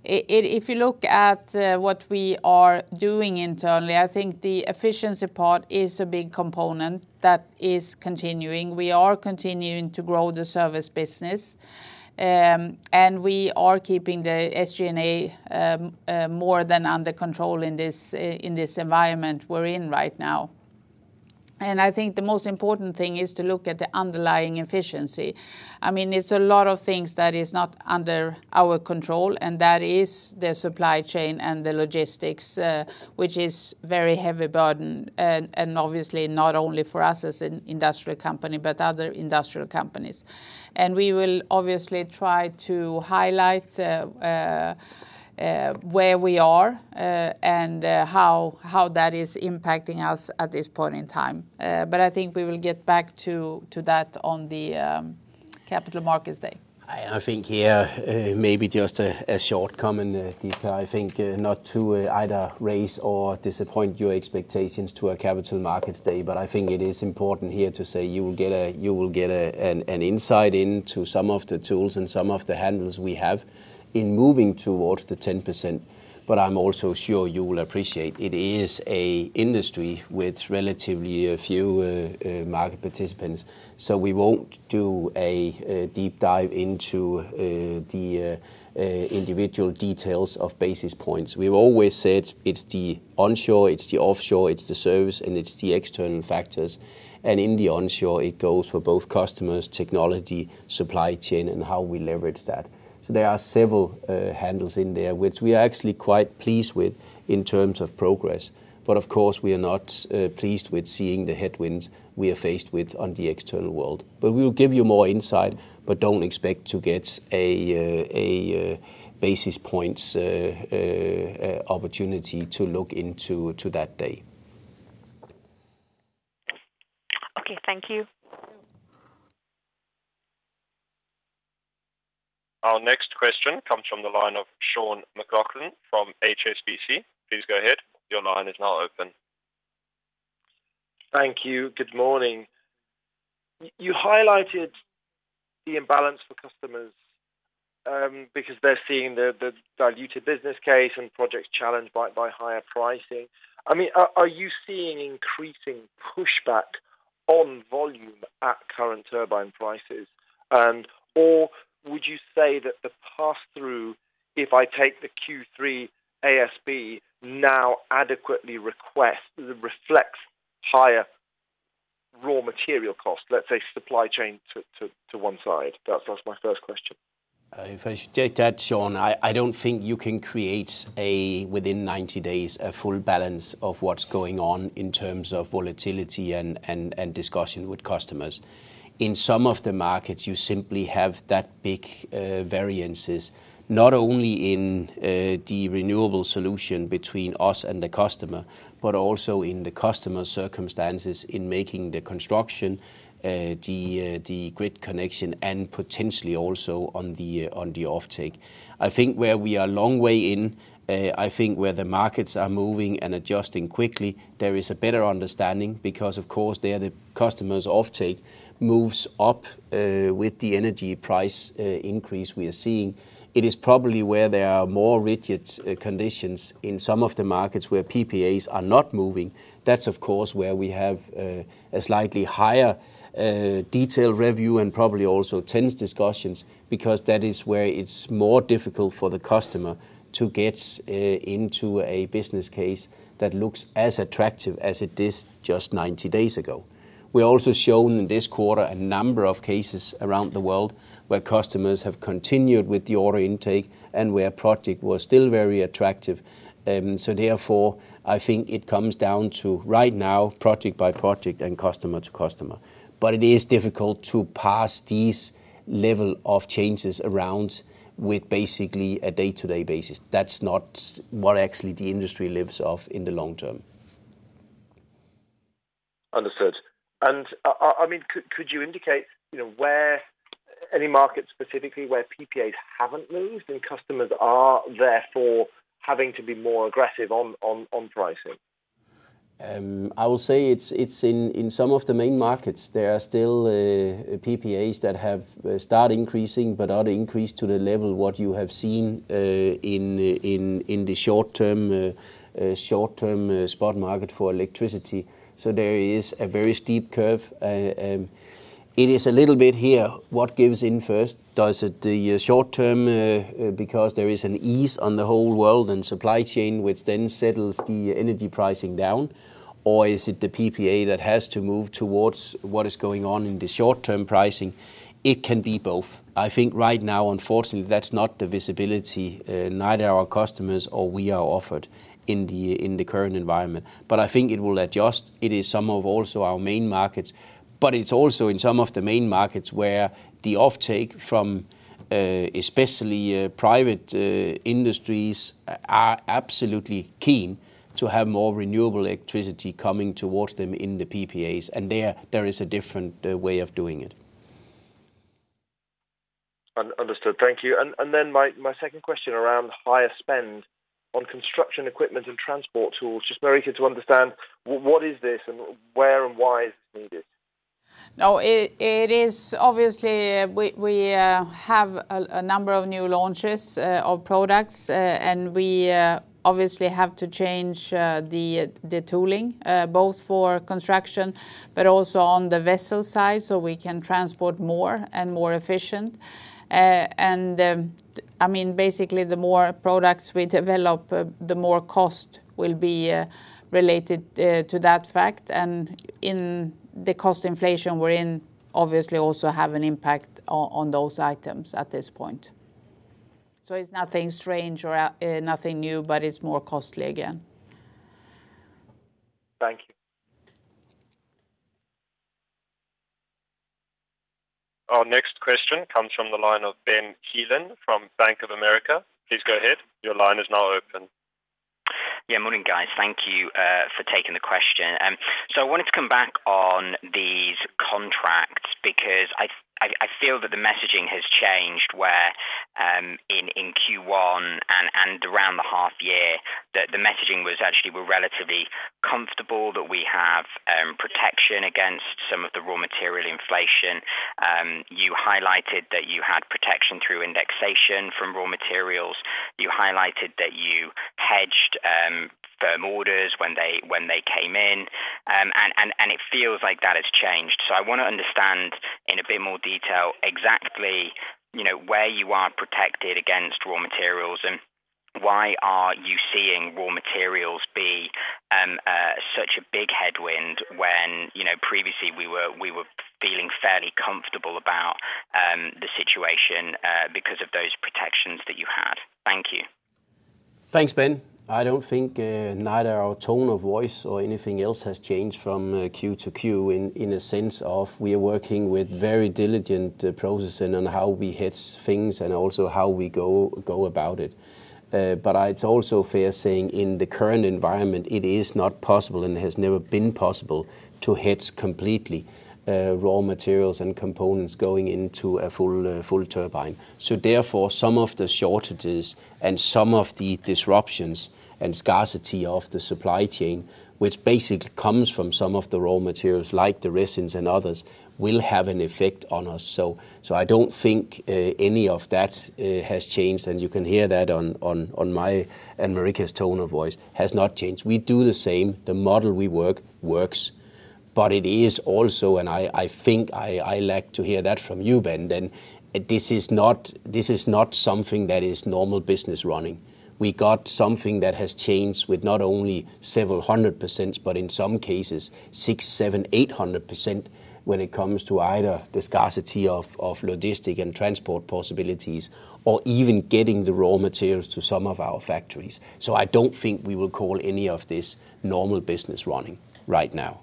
if you look at what we are doing internally, I think the efficiency part is a big component that is continuing. We are continuing to grow the service business. We are keeping the SG&A more than under control in this environment we're in right now. I think the most important thing is to look at the underlying efficiency. I mean, it's a lot of things that is not under our control, and that is the supply chain and the logistics, which is very heavy burden, and obviously not only for us as an industrial company, but other industrial companies. We will obviously try to highlight where we are and how that is impacting us at this point in time. I think we will get back to that on the Capital Markets Day. I think here, maybe just a short comment, Deepa. I think not to either raise or disappoint your expectations to our Capital Markets Day, but I think it is important here to say you will get an insight into some of the tools and some of the handles we have in moving towards the 10%. But I'm also sure you will appreciate it is an industry with relatively few market participants. So we won't do a deep dive into the individual details of basis points. We've always said it's the onshore, it's the offshore, it's the service, and it's the external factors. In the onshore, it goes for both customers, technology, supply chain, and how we leverage that. There are several handles in there, which we are actually quite pleased with in terms of progress. Of course, we are not pleased with seeing the headwinds we are faced with on the external world. We will give you more insight, but don't expect to get a basis points opportunity to look into that day. Okay. Thank you. Our next question comes from the line of Sean McLoughlin from HSBC. Please go ahead. Your line is now open. Thank you. Good morning. You highlighted the imbalance for customers, because they're seeing the diluted business case and projects challenged by higher pricing. I mean, are you seeing increasing pushback on volume at current turbine prices? Or would you say that the pass-through, if I take the Q3 ASP, now adequately reflects higher raw material costs, let's say supply chain to one side? That's my first question. If I should take that, Sean, I don't think you can create, within 90 days, a full balance of what's going on in terms of volatility and discussion with customers. In some of the markets, you simply have that big variances, not only in the renewable solution between us and the customer, but also in the customer's circumstances in making the construction, the grid connection, and potentially also on the offtake. I think where we are long way in, I think where the markets are moving and adjusting quickly, there is a better understanding because of course there the customer's offtake moves up with the energy price increase we are seeing. It is probably where there are more rigid conditions in some of the markets where PPAs are not moving. That's of course where we have a slightly higher detailed review and probably also tense discussions because that is where it's more difficult for the customer to get into a business case that looks as attractive as it did just 90 days ago. We're also shown in this quarter a number of cases around the world where customers have continued with the order intake and where project was still very attractive. Therefore, I think it comes down to right now, project by project and customer to customer. It is difficult to pass these level of changes around with basically a day-to-day basis. That's not what actually the industry lives of in the long term. Understood. I mean, could you indicate, you know, where any markets specifically where PPAs haven't moved and customers are therefore having to be more aggressive on pricing? I will say it's in some of the main markets. There are still PPAs that have start increasing but are increased to the level what you have seen in the short term spot market for electricity. There is a very steep curve. It is a little bit here, what gives in first? Does the short term because there is a squeeze on the whole world and supply chain, which then settles the energy pricing down? Or is it the PPA that has to move towards what is going on in the short term pricing? It can be both. I think right now, unfortunately, that's not the visibility neither our customers or we are afforded in the current environment. I think it will adjust. It is some of also our main markets, but it's also in some of the main markets where the offtake from, especially, private industries are absolutely keen to have more renewable electricity coming towards them in the PPAs, and there is a different way of doing it. Understood. Thank you. Then my second question around higher spend on construction equipment and transport tools. Just very keen to understand what is this and where and why is it needed? No, it is obvious we have a number of new launches of products. We obviously have to change the tooling both for construction but also on the vessel side, so we can transport more and more efficient. I mean, basically the more products we develop, the more cost will be related to that fact. In the cost inflation we're in, obviously also have an impact on those items at this point. It's nothing strange or nothing new, but it's more costly again. Thank you. Our next question comes from the line of Ben Keelan from Bank of America. Please go ahead. Your line is now open. Yeah, morning, guys. Thank you for taking the question. So I wanted to come back on these contracts because I feel that the messaging has changed, where in Q1 and around the half year, the messaging was actually we're relatively comfortable that we have protection against some of the raw material inflation. You highlighted that you had protection through indexation from raw materials. You highlighted that you hedged firm orders when they came in. It feels like that has changed. I wanna understand in a bit more detail exactly, you know, where you are protected against raw materials and why are you seeing raw materials be such a big headwind when, you know, previously we were feeling fairly comfortable about the situation because of those protections that you had. Thank you. Thanks, Ben. I don't think neither our tone of voice or anything else has changed from Q to Q in a sense of we are working with very diligent process and on how we hedge things and also how we go about it. It's also fair to say in the current environment, it is not possible and has never been possible to hedge completely raw materials and components going into a full turbine. Therefore, some of the shortages and some of the disruptions and scarcity of the supply chain, which basically comes from some of the raw materials like the resins and others, will have an effect on us. I don't think any of that has changed, and you can hear that in my and Marika's tone of voice has not changed. We do the same. The model we work works. It is also, and I think I like to hear that from you, Ben, then this is not something that is normal business running. We got something that has changed with not only several hundred percent, but in some cases 600, 700, 800% when it comes to either the scarcity of logistics and transport possibilities or even getting the raw materials to some of our factories. I don't think we will call any of this normal business running right now.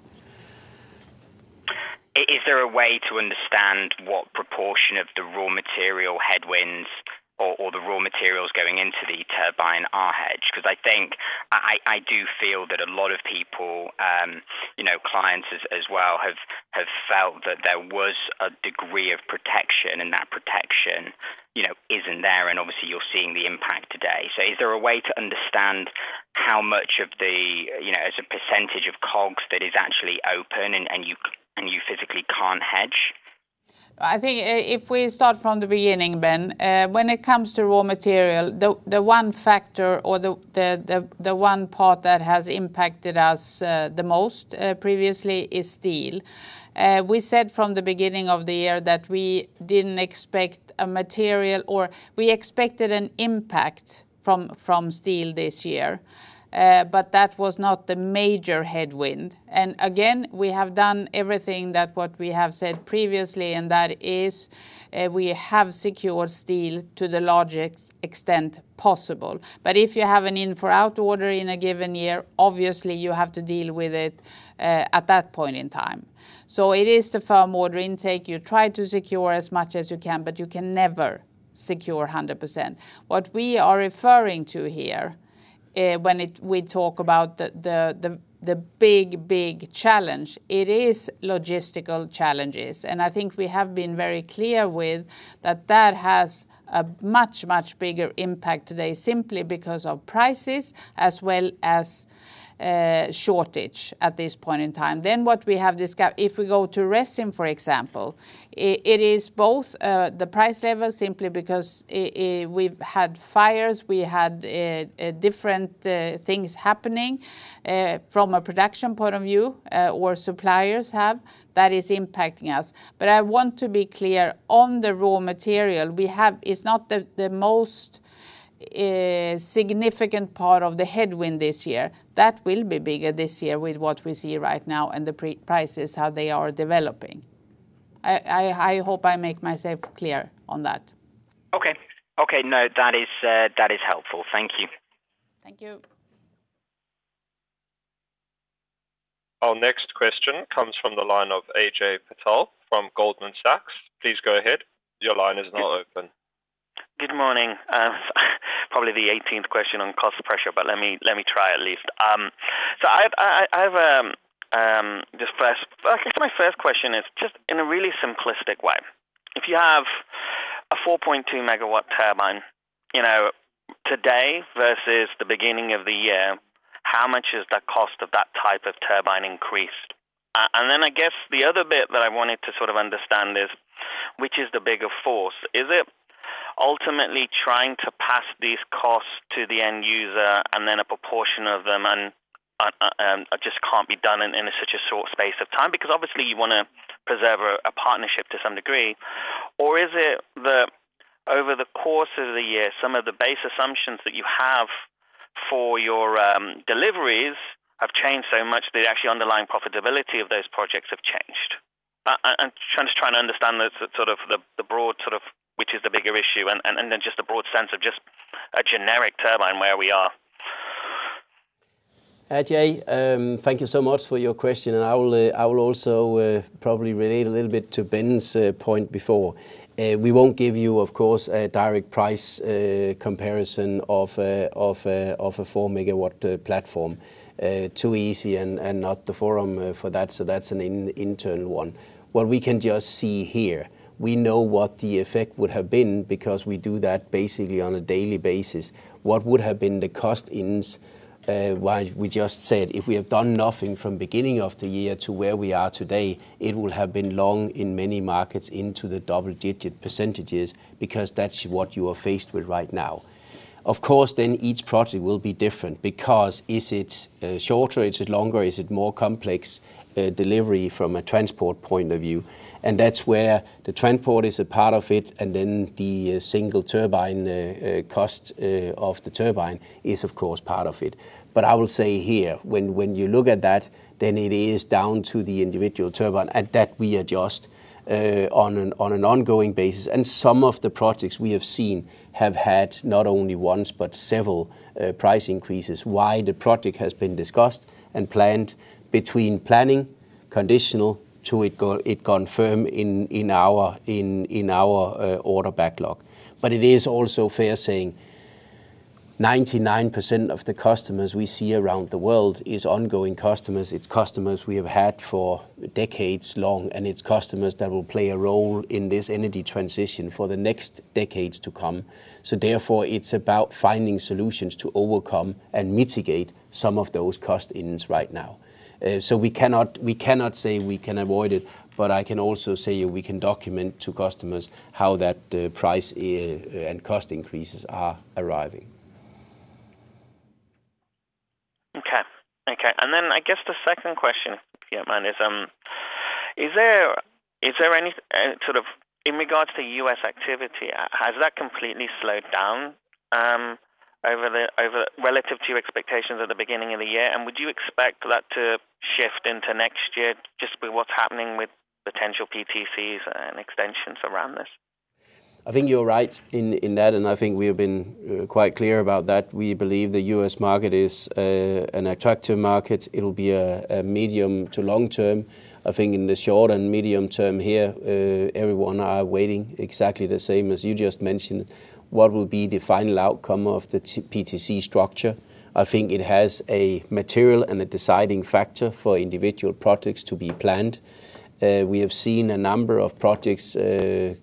Is there a way to understand what proportion of the raw material headwinds or the raw materials going into the turbine are hedged? 'Cause I think I do feel that a lot of people, you know, clients as well, have felt that there was a degree of protection and that protection, you know, isn't there, and obviously you're seeing the impact today. Is there a way to understand how much of the, you know, as a percentage of COGS that is actually open and you physically can't hedge? I think if we start from the beginning, Ben, when it comes to raw material, the one factor or the one part that has impacted us the most previously is steel. We said from the beginning of the year that we didn't expect a material or we expected an impact from steel this year, but that was not the major headwind. Again, we have done everything that we have said previously, and that is, we have secured steel to the largest extent possible. If you have an unforeseen order in a given year, obviously you have to deal with it at that point in time. It is the firm order intake. You try to secure as much as you can, but you can never secure 100%. What we are referring to here, when we talk about the big challenge, it is logistical challenges, and I think we have been very clear with that has a much bigger impact today simply because of prices as well as shortage at this point in time. What we have discussed, if we go to resin, for example, it is both the price level simply because we've had fires, we had different things happening from a production point of view, or suppliers have, that is impacting us. I want to be clear, on the raw material, It's not the most significant part of the headwind this year. That will be bigger this year with what we see right now and the prices, how they are developing. I hope I make myself clear on that. Okay. No, that is helpful. Thank you. Thank you. Our next question comes from the line of Ajay Patel from Goldman Sachs. Please go ahead. Your line is now open. Good morning. Probably the 18th question on cost pressure, but let me try at least. So I've just first, I guess my first question is just in a really simplistic way, if you have a 4.2 MW turbine, you know, today versus the beginning of the year, how much has the cost of that type of turbine increased? And then I guess the other bit that I wanted to sort of understand is which is the bigger force? Is it ultimately trying to pass these costs to the end user and then a proportion of them just can't be done in such a short space of time because obviously you wanna preserve a partnership to some degree. is it that over the course of the year, some of the base assumptions that you have for your deliveries have changed so much, the actually underlying profitability of those projects have changed. I'm trying to understand the sort of broad which is the bigger issue and then just the broad sense of just a generic turbine where we are. Ajay, thank you so much for your question, and I will also probably relate a little bit to Ben's point before. We won't give you, of course, a direct price comparison of a 4 MW platform. Too easy and not the forum for that, so that's an internal one. What we can just see here, we know what the effect would have been because we do that basically on a daily basis. What would have been the cost increases, while we just said if we have done nothing from the beginning of the year to where we are today, it would have been up in many markets into the double-digit % because that's what you are faced with right now. Of course, each project will be different because is it shorter, is it longer, is it more complex, delivery from a transport point of view? That's where the transport is a part of it, and then the single turbine cost of the turbine is of course part of it. I will say here, when you look at that, then it is down to the individual turbine, and that we adjust on an ongoing basis. Some of the projects we have seen have had not only once, but several price increases while the project has been discussed and planned between planning, conditional to it go, it confirm in our order backlog. It is also fair saying 99% of the customers we see around the world is ongoing customers. It's customers we have had for decades long, and it's customers that will play a role in this energy transition for the next decades to come. Therefore, it's about finding solutions to overcome and mitigate some of those cost increases right now. We cannot say we can avoid it, but I can also say we can document to customers how that price and cost increases are arriving. Okay. I guess the second question, if you don't mind, is there any sort of in regards to U.S. activity, has that completely slowed down over relative to your expectations at the beginning of the year? Would you expect that to shift into next year just with what's happening with potential PTCs and extensions around this? I think you're right in that, and I think we have been quite clear about that. We believe the U.S. market is an attractive market. It'll be a medium to long term. I think in the short and medium term here, everyone are waiting exactly the same as you just mentioned, what will be the final outcome of the PTC structure. I think it has a material and a deciding factor for individual projects to be planned. We have seen a number of projects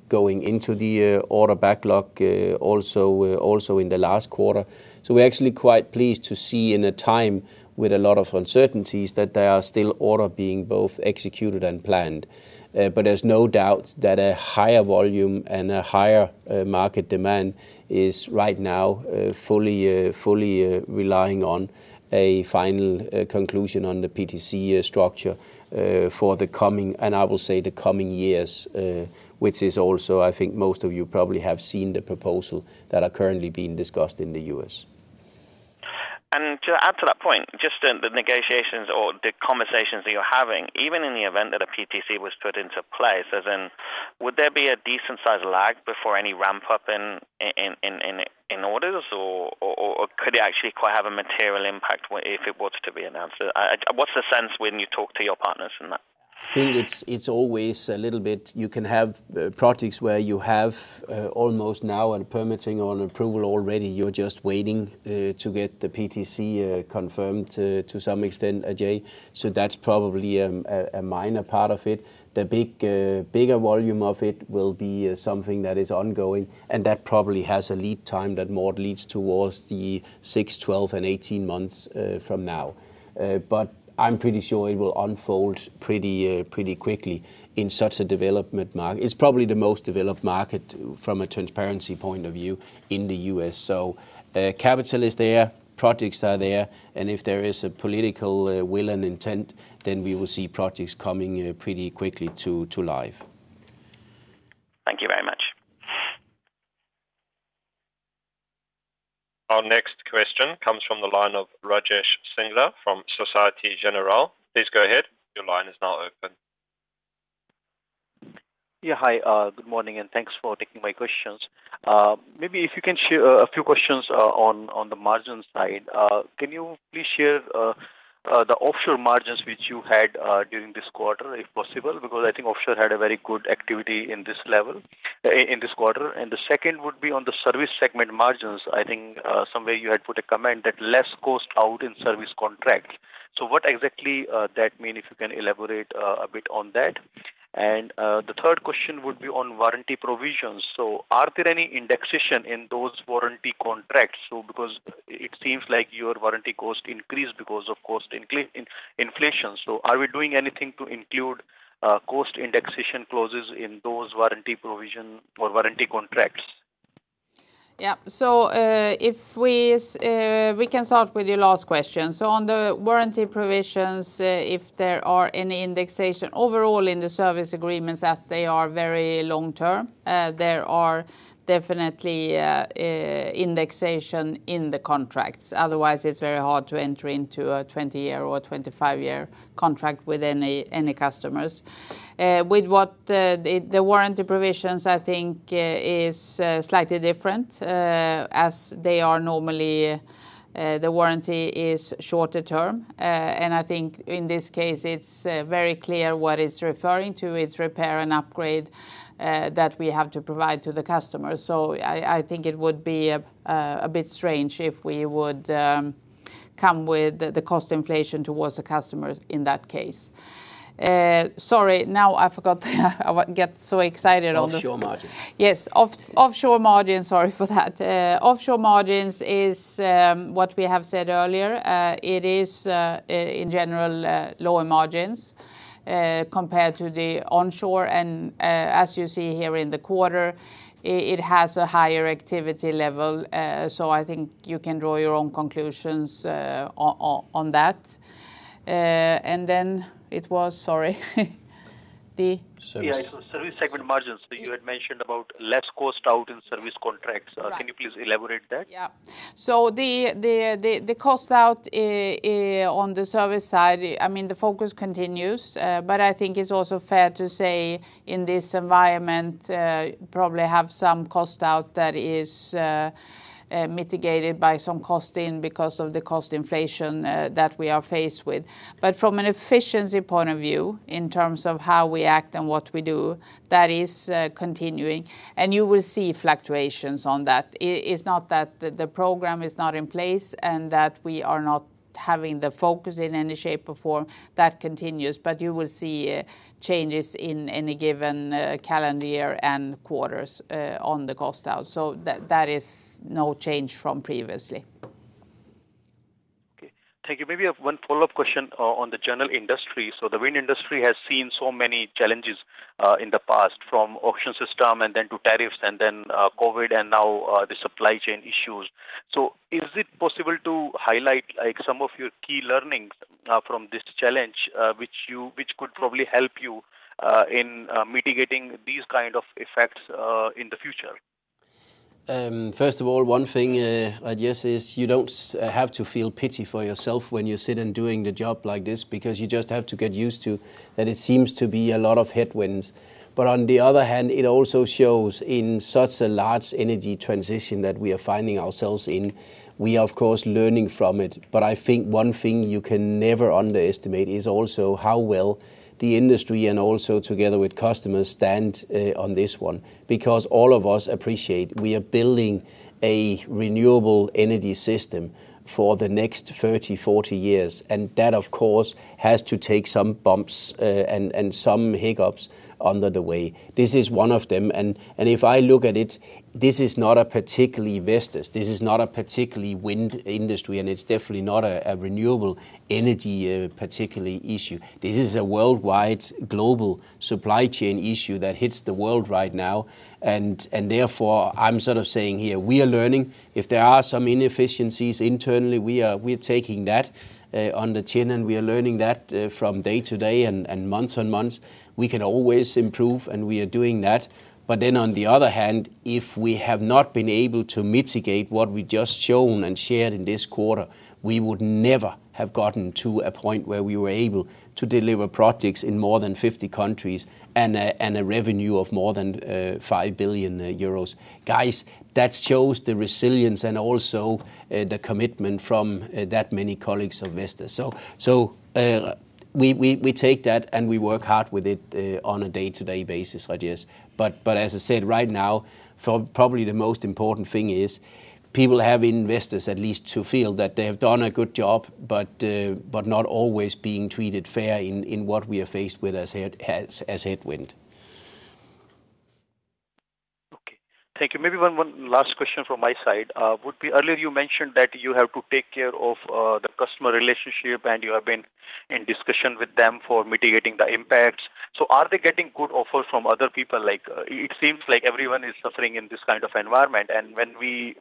going into the order backlog, also in the last quarter. We're actually quite pleased to see in a time with a lot of uncertainties that there are still orders being both executed and planned. There's no doubt that a higher volume and a higher market demand is right now fully relying on a final conclusion on the PTC structure for the coming years, which is also, I think, most of you probably have seen the proposals that are currently being discussed in the U.S. To add to that point, just in the negotiations or the conversations that you're having, even in the event that a PTC was put into place, as in would there be a decent sized lag before any ramp-up in orders or could it actually quite have a material impact if it was to be announced? What's the sense when you talk to your partners in that? I think it's always a little bit. You can have projects where you have almost now on permitting on approval already. You're just waiting to get the PTC confirmed to some extent, Ajay. That's probably a minor part of it. The bigger volume of it will be something that is ongoing, and that probably has a lead time that more leads towards the six, 12, and 18 months from now. I'm pretty sure it will unfold pretty quickly in such a development market. It's probably the most developed market from a transparency point of view in the U.S. Capital is there, projects are there, and if there is a political will and intent, then we will see projects coming pretty quickly to life. Thank you very much. Our next question comes from the line of Rajesh Singla from Société Générale. Please go ahead. Your line is now open. Yeah. Hi, good morning, and thanks for taking my questions. Maybe if you can share a few questions on the margin side. Can you please share the offshore margins which you had during this quarter, if possible? Because I think offshore had a very good activity in this level in this quarter. The second would be on the service segment margins. I think somewhere you had put a comment that less cost out in service contract. What exactly that mean, if you can elaborate a bit on that? The third question would be on warranty provisions. Are there any indexation in those warranty contracts? Because it seems like your warranty cost increased because of cost inflation. Are we doing anything to include cost indexation clauses in those warranty provision or warranty contracts? Yeah. If we can start with your last question. On the warranty provisions, if there are any indexation overall in the service agreements as they are very long-term, there are definitely indexation in the contracts. Otherwise, it's very hard to enter into a 20-year or a 25-year contract with any customers. The warranty provisions, I think, is slightly different, as they are normally the warranty is shorter term. I think in this case, it's very clear what it's referring to, it's repair and upgrade that we have to provide to the customer. I think it would be a bit strange if we would come with the cost inflation towards the customers in that case. Sorry. Now I forgot. I get so excited on the Offshore margins. Yes. Offshore margin. Sorry for that. Offshore margins is what we have said earlier. It is in general lower margins compared to the onshore. As you see here in the quarter, it has a higher activity level, so I think you can draw your own conclusions on that. Then it was. Sorry. Service. Yeah, it was service segment margins. You had mentioned about less cost out in service contracts. Right.Can you please elaborate that? The cost out on the service side, I mean, the focus continues, but I think it's also fair to say in this environment, probably have some cost out that is mitigated by some cost in because of the cost inflation that we are faced with. From an efficiency point of view, in terms of how we act and what we do, that is continuing, and you will see fluctuations on that. It's not that the program is not in place and that we are not having the focus in any shape or form. That continues, but you will see changes in any given calendar year and quarters on the cost out. That is no change from previously. Okay. Thank you. Maybe one follow-up question on the general industry. The wind industry has seen so many challenges in the past, from auction system and then to tariffs and then, COVID and now the supply chain issues. Is it possible to highlight, like, some of your key learnings from this challenge which could probably help you in mitigating these kind of effects in the future? First of all, one thing, I guess, is you don't have to feel pity for yourself when you sit and doing the job like this because you just have to get used to that it seems to be a lot of headwinds. On the other hand, it also shows in such a large energy transition that we are finding ourselves in, we are of course, learning from it. I think one thing you can never underestimate is also how well the industry and also together with customers stand on this one. Because all of us appreciate we are building a renewable energy system for the next 30, 40 years, and that, of course, has to take some bumps and some hiccups along the way. This is one of them. If I look at it, this is not a particularly Vestas, this is not a particularly wind industry, and it's definitely not a renewable energy particularly issue. This is a worldwide global supply chain issue that hits the world right now. Therefore, I'm sort of saying here, we are learning. If there are some inefficiencies internally, we are taking that on the chin, and we are learning that from day to day and months and months. We can always improve, and we are doing that. On the other hand, if we have not been able to mitigate what we just shown and shared in this quarter, we would never have gotten to a point where we were able to deliver projects in more than 50 countries and a revenue of more than 5 billion euros. Guys, that shows the resilience and also the commitment from that many colleagues of Vestas. We take that, and we work hard with it on a day-to-day basis ideas. As I said, right now, for probably the most important thing is people and investors at least to feel that they have done a good job, but not always being treated fair in what we are faced with as headwind. Okay. Thank you. Maybe one last question from my side. Would be earlier you mentioned that you have to take care of the customer relationship, and you have been in discussion with them for mitigating the impacts. Are they getting good offers from other people? Like, it seems like everyone is suffering in this kind of environment. When we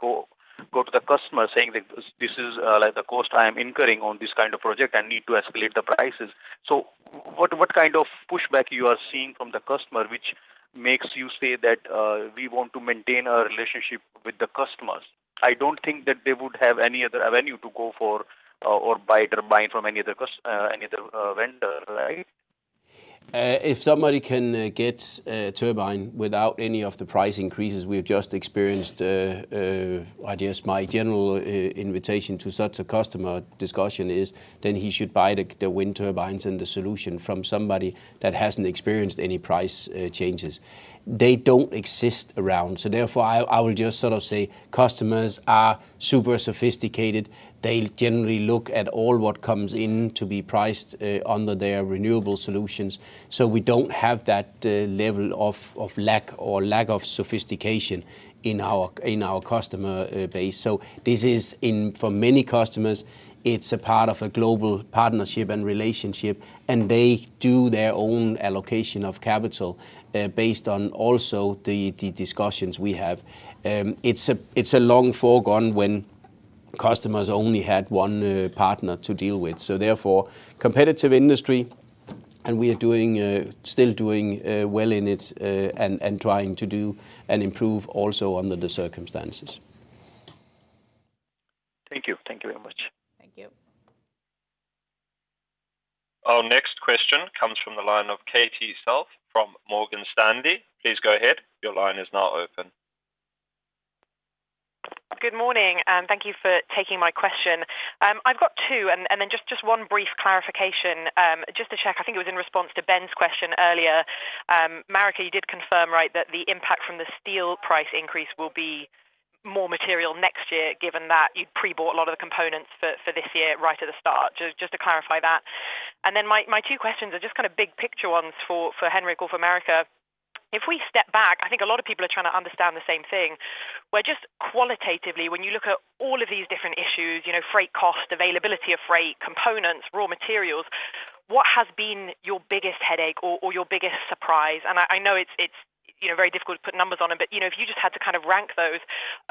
go to the customer saying that this is, like the cost I am incurring on this kind of project, I need to escalate the prices. What kind of pushback you are seeing from the customer, which- Makes you say that we want to maintain our relationship with the customers. I don't think that they would have any other avenue to go for or buy turbine from any other vendor, right? If somebody can get a turbine without any of the price increases we have just experienced, I guess my general invitation to such a customer discussion is then he should buy the wind turbines and the solution from somebody that hasn't experienced any price changes. They don't exist around. Therefore, I will just sort of say customers are super sophisticated. They generally look at all what comes in to be priced under their renewable solutions. We don't have that level of lack of sophistication in our customer base. This is for many customers, it's a part of a global partnership and relationship, and they do their own allocation of capital based on also the discussions we have. It's a long foregone when customers only had one partner to deal with. Therefore, competitive industry, and we are still doing well in it, and trying to do and improve also under the circumstances. Thank you. Thank you very much. Thank you. Our next question comes from the line of Katie Self from Morgan Stanley. Please go ahead. Your line is now open. Good morning, and thank you for taking my question. I've got two, and then just one brief clarification, just to check. I think it was in response to Ben's question earlier. Marika, you did confirm, right, that the impact from the steel price increase will be more material next year, given that you pre-bought a lot of the components for this year right at the start. Just to clarify that. My two questions are just kind of big picture ones for Henrik or for Marika. If we step back, I think a lot of people are trying to understand the same thing, where just qualitatively, when you look at all of these different issues, you know, freight cost, availability of freight, components, raw materials, what has been your biggest headache or your biggest surprise? I know it's you know very difficult to put numbers on them, but you know if you just had to kind of rank those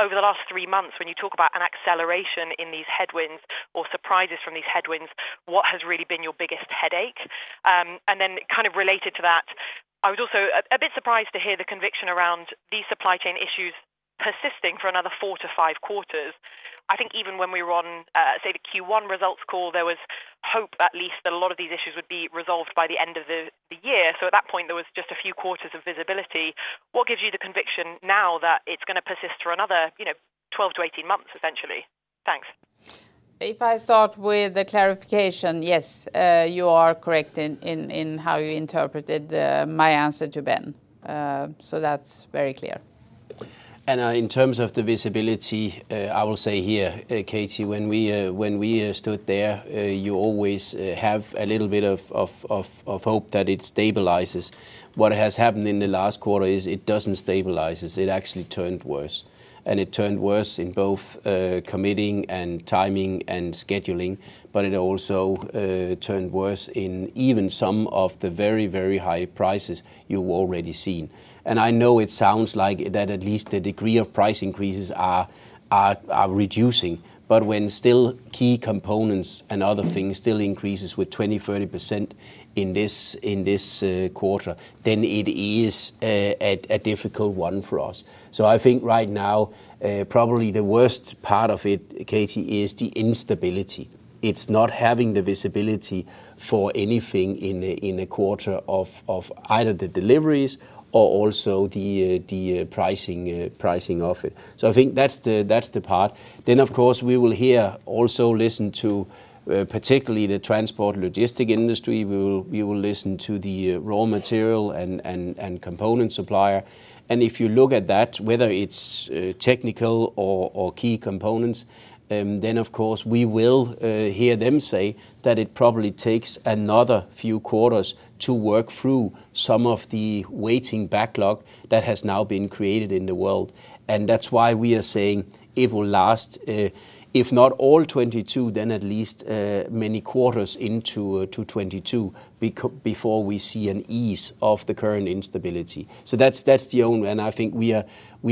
over the last 3 months, when you talk about an acceleration in these headwinds or surprises from these headwinds, what has really been your biggest headache? Then kind of related to that, I was also a bit surprised to hear the conviction around these supply chain issues persisting for another 4-5 quarters. I think even when we were on say the Q1 results call, there was hope at least that a lot of these issues would be resolved by the end of the year. At that point, there was just a few quarters of visibility. What gives you the conviction now that it's gonna persist for another you know 12-18 months, essentially? Thanks. If I start with the clarification, yes, you are correct in how you interpreted my answer to Ben. That's very clear. In terms of the visibility, I will say here, Katie, when we stood there, you always have a little bit of hope that it stabilizes. What has happened in the last quarter is it doesn't stabilize. It actually turned worse. It turned worse in both committing and timing and scheduling, but it also turned worse in even some of the very high prices you've already seen. I know it sounds like that at least the degree of price increases are reducing, but when still key components and other things still increases with 20, 30% in this quarter, then it is a difficult one for us. I think right now, probably the worst part of it, Katie, is the instability. It's not having the visibility for anything in a quarter of either the deliveries or also the pricing of it. I think that's the part. Of course, we will here also listen to particularly the transport logistic industry. We will listen to the raw material and component supplier. If you look at that, whether it's technical or key components, then of course, we will hear them say that it probably takes another few quarters to work through some of the waiting backlog that has now been created in the world. That's why we are saying it will last, if not all 2022, then at least many quarters into 2022 before we see an ease of the current instability. I think we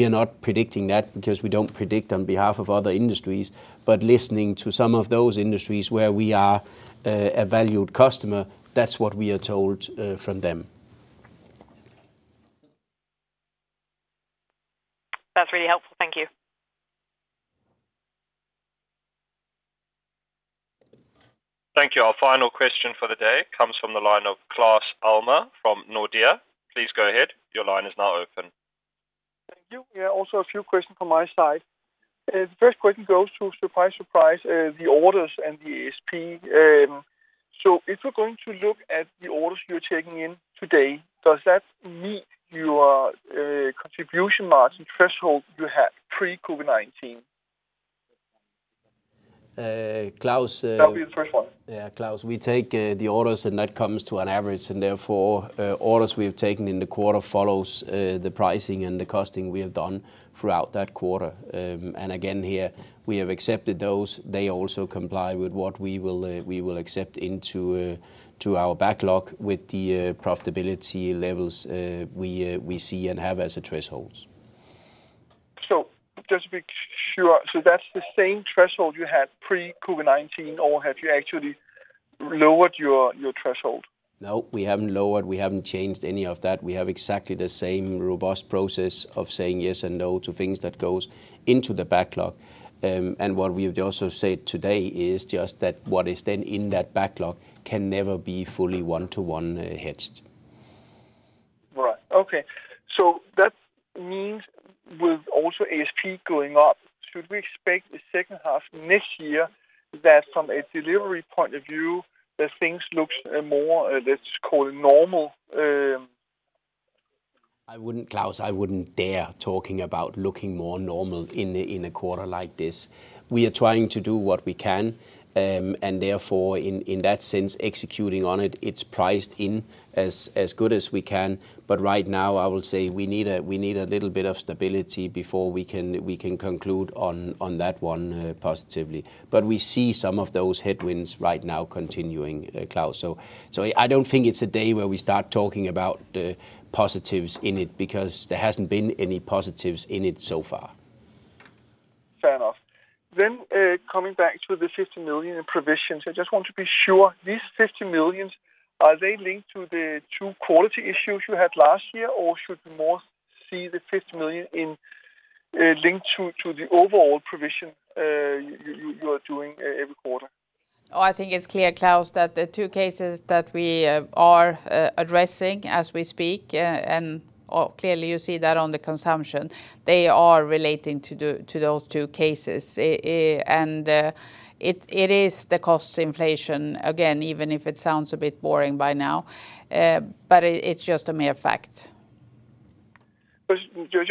are not predicting that because we don't predict on behalf of other industries. Listening to some of those industries where we are a valued customer, that's what we are told from them. That's really helpful. Thank you. Thank you. Our final question for the day comes from the line of Claus Almer from Nordea. Please go ahead. Your line is now open. Thank you. Yeah, also a few questions from my side. The first question goes to, surprise, the orders and the ASP. If you're going to look at the orders you're taking in today, does that meet your contribution margin threshold you had pre-COVID-19? Claus, That'll be the first one. Yeah. Klaus, we take the orders, and that comes to an average. Therefore, orders we have taken in the quarter follows the pricing and the costing we have done throughout that quarter. And again, here, we have accepted those. They also comply with what we will accept into to our backlog with the profitability levels we see and have as a thresholds. Just to be sure, that's the same threshold you had pre-COVID-19, or have you actually lowered your threshold? No, we haven't lowered, we haven't changed any of that. We have exactly the same robust process of saying yes and no to things that goes into the backlog. What we have also said today is just that what is then in that backlog can never be fully one-to-one hedged. Right. Okay. That means with also ASP going up, should we expect the second half next year that from a delivery point of view, that things looks more, let's call it normal? I wouldn't, Claus, I wouldn't dare talking about looking more normal in a quarter like this. We are trying to do what we can, and therefore in that sense executing on it's priced in as good as we can. Right now, I will say we need a little bit of stability before we can conclude on that one positively. We see some of those headwinds right now continuing, Claus. I don't think it's a day where we start talking about the positives in it, because there hasn't been any positives in it so far. Fair enough. Coming back to the 50 million in provisions, I just want to be sure, these 50 million, are they linked to the two quality issues you had last year, or should we more see the 50 million linked to the overall provision you are doing every quarter? Oh, I think it's clear, Claus, that the two cases that we are addressing as we speak, and clearly you see that on the consumption, they are relating to those two cases. It is the cost inflation again, even if it sounds a bit boring by now. It is just a mere fact.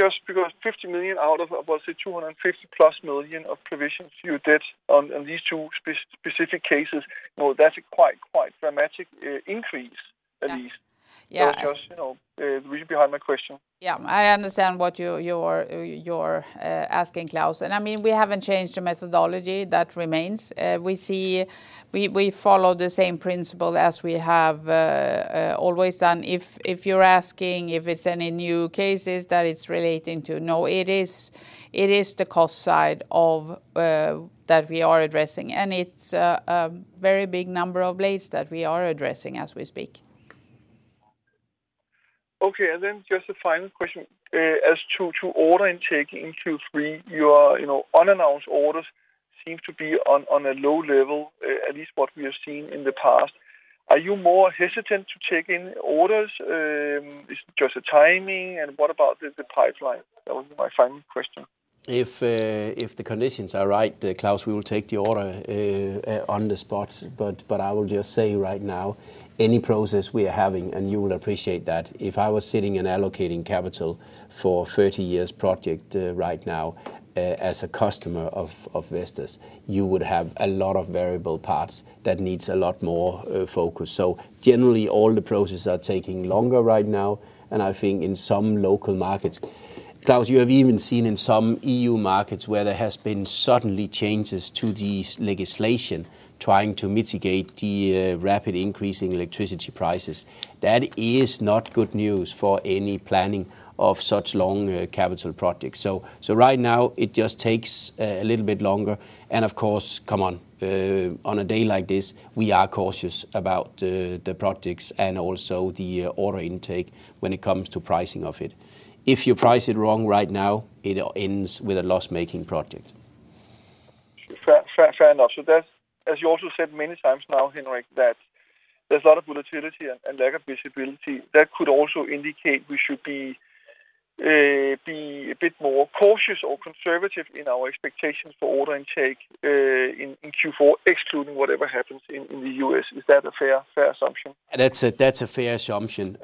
Just because 50 million out of 250+ million of provisions you did on these two specific cases, you know, that's a quite dramatic increase at least. Yeah. Yeah. Just, you know, reason behind my question. Yeah. I understand what you're asking, Claus. I mean, we haven't changed the methodology. That remains. We follow the same principle as we have always done. If you're asking if it's any new cases that it's relating to, no. It is the cost side of that we are addressing, and it's a very big number of blades that we are addressing as we speak. Okay. Just a final question, as to order intake in Q3, your you know unannounced orders seem to be on a low level, at least what we have seen in the past. Are you more hesitant to take in orders? Is it just the timing, and what about the pipeline? That was my final question. If the conditions are right, Claus, we will take the order on the spot. I will just say right now, any process we are having, and you will appreciate that, if I was sitting and allocating capital for 30-year project, right now, as a customer of Vestas, you would have a lot of variable parts that needs a lot more focus. Generally, all the processes are taking longer right now, and I think in some local markets. Claus, you have even seen in some EU markets where there has been sudden changes to the legislation trying to mitigate the rapid increase in electricity prices. That is not good news for any planning of such long capital projects. Right now it just takes a little bit longer, and of course, come on a day like this, we are cautious about the projects and also the order intake when it comes to pricing of it. If you price it wrong right now, it ends with a loss-making project. Fair enough. That's, as you also said many times now, Henrik, that there's a lot of volatility and lack of visibility. That could also indicate we should be a bit more cautious or conservative in our expectations for order intake in Q4, excluding whatever happens in the U.S. Is that a fair assumption? That's a fair assumption.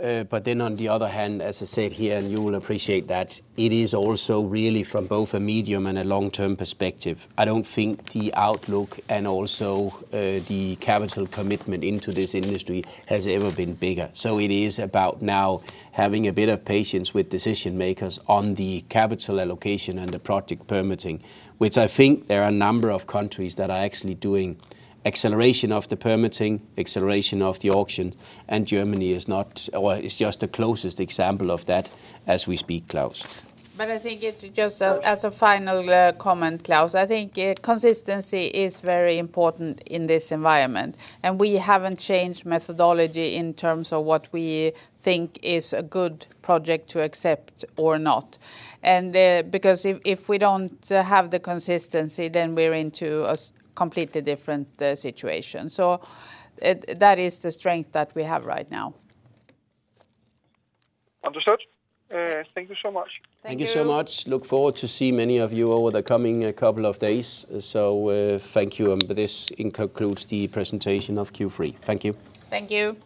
On the other hand, as I said here, and you will appreciate that, it is also really from both a medium and a long-term perspective. I don't think the outlook and also the capital commitment into this industry has ever been bigger.It is about now having a bit of patience with decision makers on the capital allocation and the project permitting, which I think there are a number of countries that are actually doing acceleration of the permitting, acceleration of the auction, and Germany is not, or is just the closest example of that as we speak, Claus. I think as a final comment, Claus, consistency is very important in this environment, and we haven't changed methodology in terms of what we think is a good project to accept or not. Because if we don't have the consistency, then we're into a completely different situation. That is the strength that we have right now. Understood. Thank you so much. Thank you. Thank you so much. I look forward to seeing many of you over the coming couple of days. Thank you, and this concludes the presentation of Q3. Thank you. Thank you.